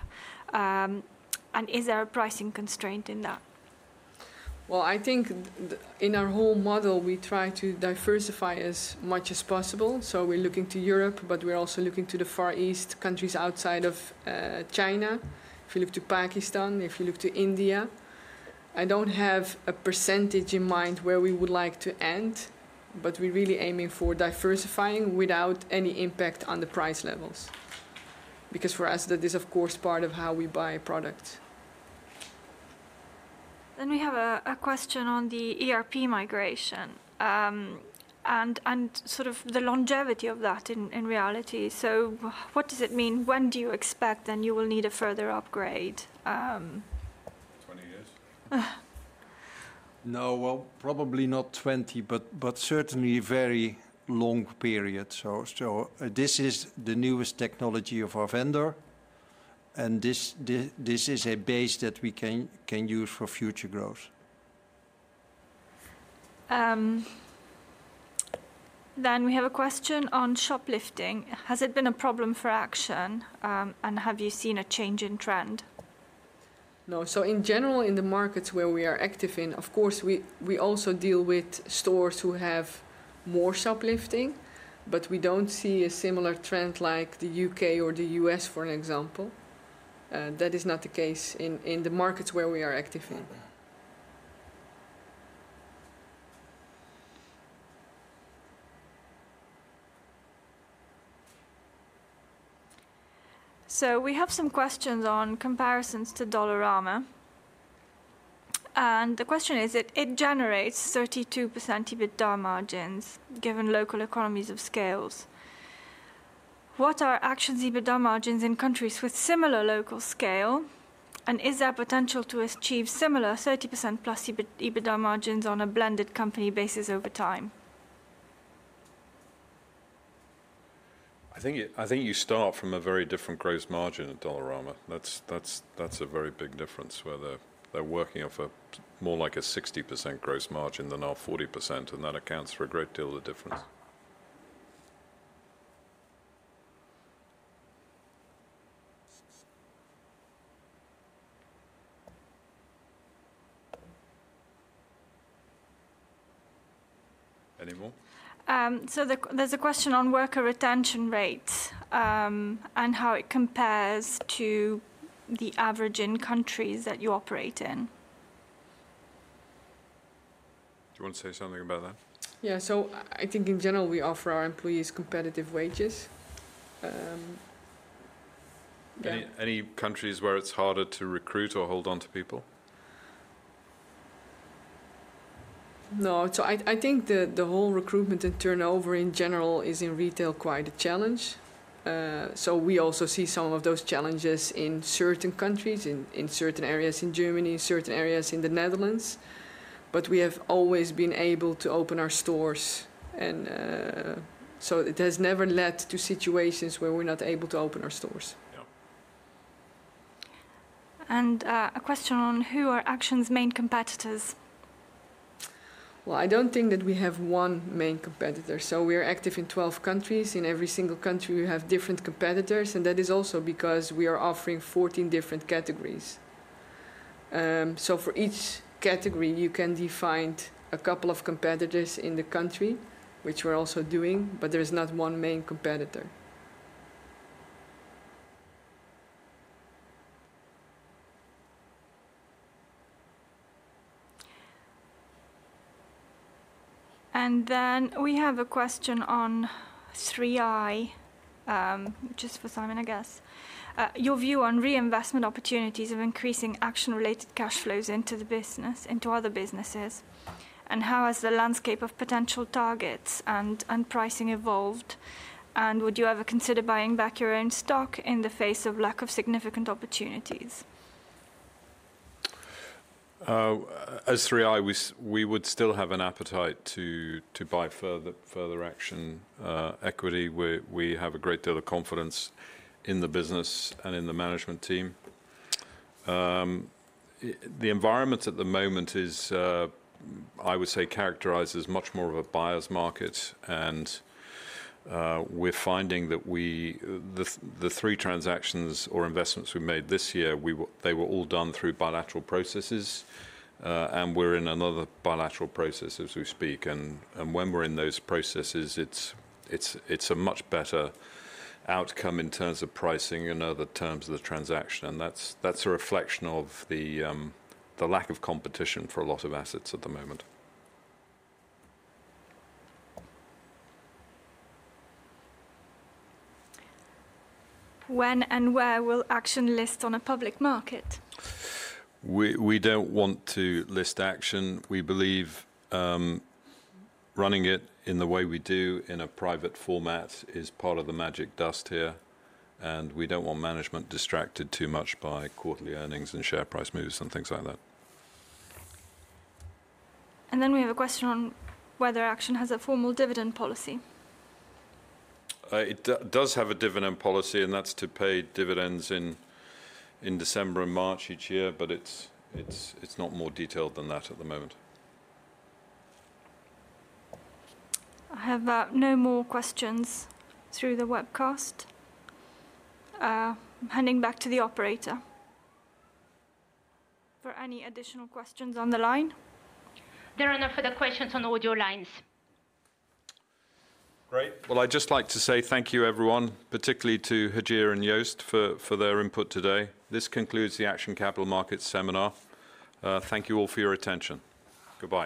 Is there a pricing constraint in that? I think in our whole model, we try to diversify as much as possible. We're looking to Europe, but we're also looking to the Far East, countries outside of China, if you look to Pakistan, if you look to India. I don't have a percentage in mind where we would like to end, but we're really aiming for diversifying without any impact on the price levels. For us, that is, of course, part of how we buy products. We have a question on the ERP migration and sort of the longevity of that in reality. What does it mean? When do you expect you will need a further upgrade? 20 years? Probably not 20, but certainly a very long period. This is the newest technology of our vendor, and this is a base that we can use for future growth. We have a question on shoplifting. Has it been a problem for Action, and have you seen a change in trend? No. In general, in the markets where we are active in, of course, we also deal with stores who have more shoplifting, but we don't see a similar trend like the UK or the US, for an example. That is not the case in the markets where we are active in. We have some questions on comparisons to Dollarama. The question is, it generates 32% EBITDA margins given local economies of scales. What are Action's EBITDA margins in countries with similar local scale, and is there potential to achieve similar 30% plus EBITDA margins on a blended company basis over time? I think you start from a very different gross margin at Dollarama. That's a very big difference where they're working off more like a 60% gross margin than our 40%, and that accounts for a great deal of the difference. Any more? There's a question on worker retention rates and how it compares to the average in countries that you operate in. Do you want to say something about that? Yeah. I think in general, we offer our employees competitive wages. Any countries where it's harder to recruit or hold on to people? No. I think the whole recruitment and turnover in general is in retail quite a challenge. We also see some of those challenges in certain countries, in certain areas in Germany, in certain areas in the Netherlands. We have always been able to open our stores, and so it has never led to situations where we're not able to open our stores. A question on who are Action's main competitors? I don't think that we have one main competitor. We are active in 12 countries. In every single country, we have different competitors, and that is also because we are offering 14 different categories. For each category, you can define a couple of competitors in the country, which we're also doing, but there is not one main competitor. We have a question on 3i, just for Simon, I guess. Your view on reinvestment opportunities of increasing Action-related cash flows into the business, into other businesses, and how has the landscape of potential targets and pricing evolved? Would you ever consider buying back your own stock in the face of lack of significant opportunities? As 3i, we would still have an appetite to buy further Action equity. We have a great deal of confidence in the business and in the management team. The environment at the moment is, I would say, characterized as much more of a buyer's market, and we're finding that the three transactions or investments we made this year, they were all done through bilateral processes, and we're in another bilateral process as we speak. When we're in those processes, it's a much better outcome in terms of pricing and other terms of the transaction. That's a reflection of the lack of competition for a lot of assets at the moment. When and where will Action list on a public market? We don't want to list Action. We believe running it in the way we do in a private format is part of the magic dust here, and we don't want management distracted too much by quarterly earnings and share price moves and things like that. We have a question on whether Action has a formal dividend policy. It does have a dividend policy, and that's to pay dividends in December and March each year, but it's not more detailed than that at the moment. I have no more questions through the webcast. I'm handing back to the operator for any additional questions on the line. There are no further questions on audio lines. Great. I'd just like to say thank you, everyone, particularly to Hajir and Joost for their input today. This concludes the Action Capital Markets seminar. Thank you all for your attention. Goodbye.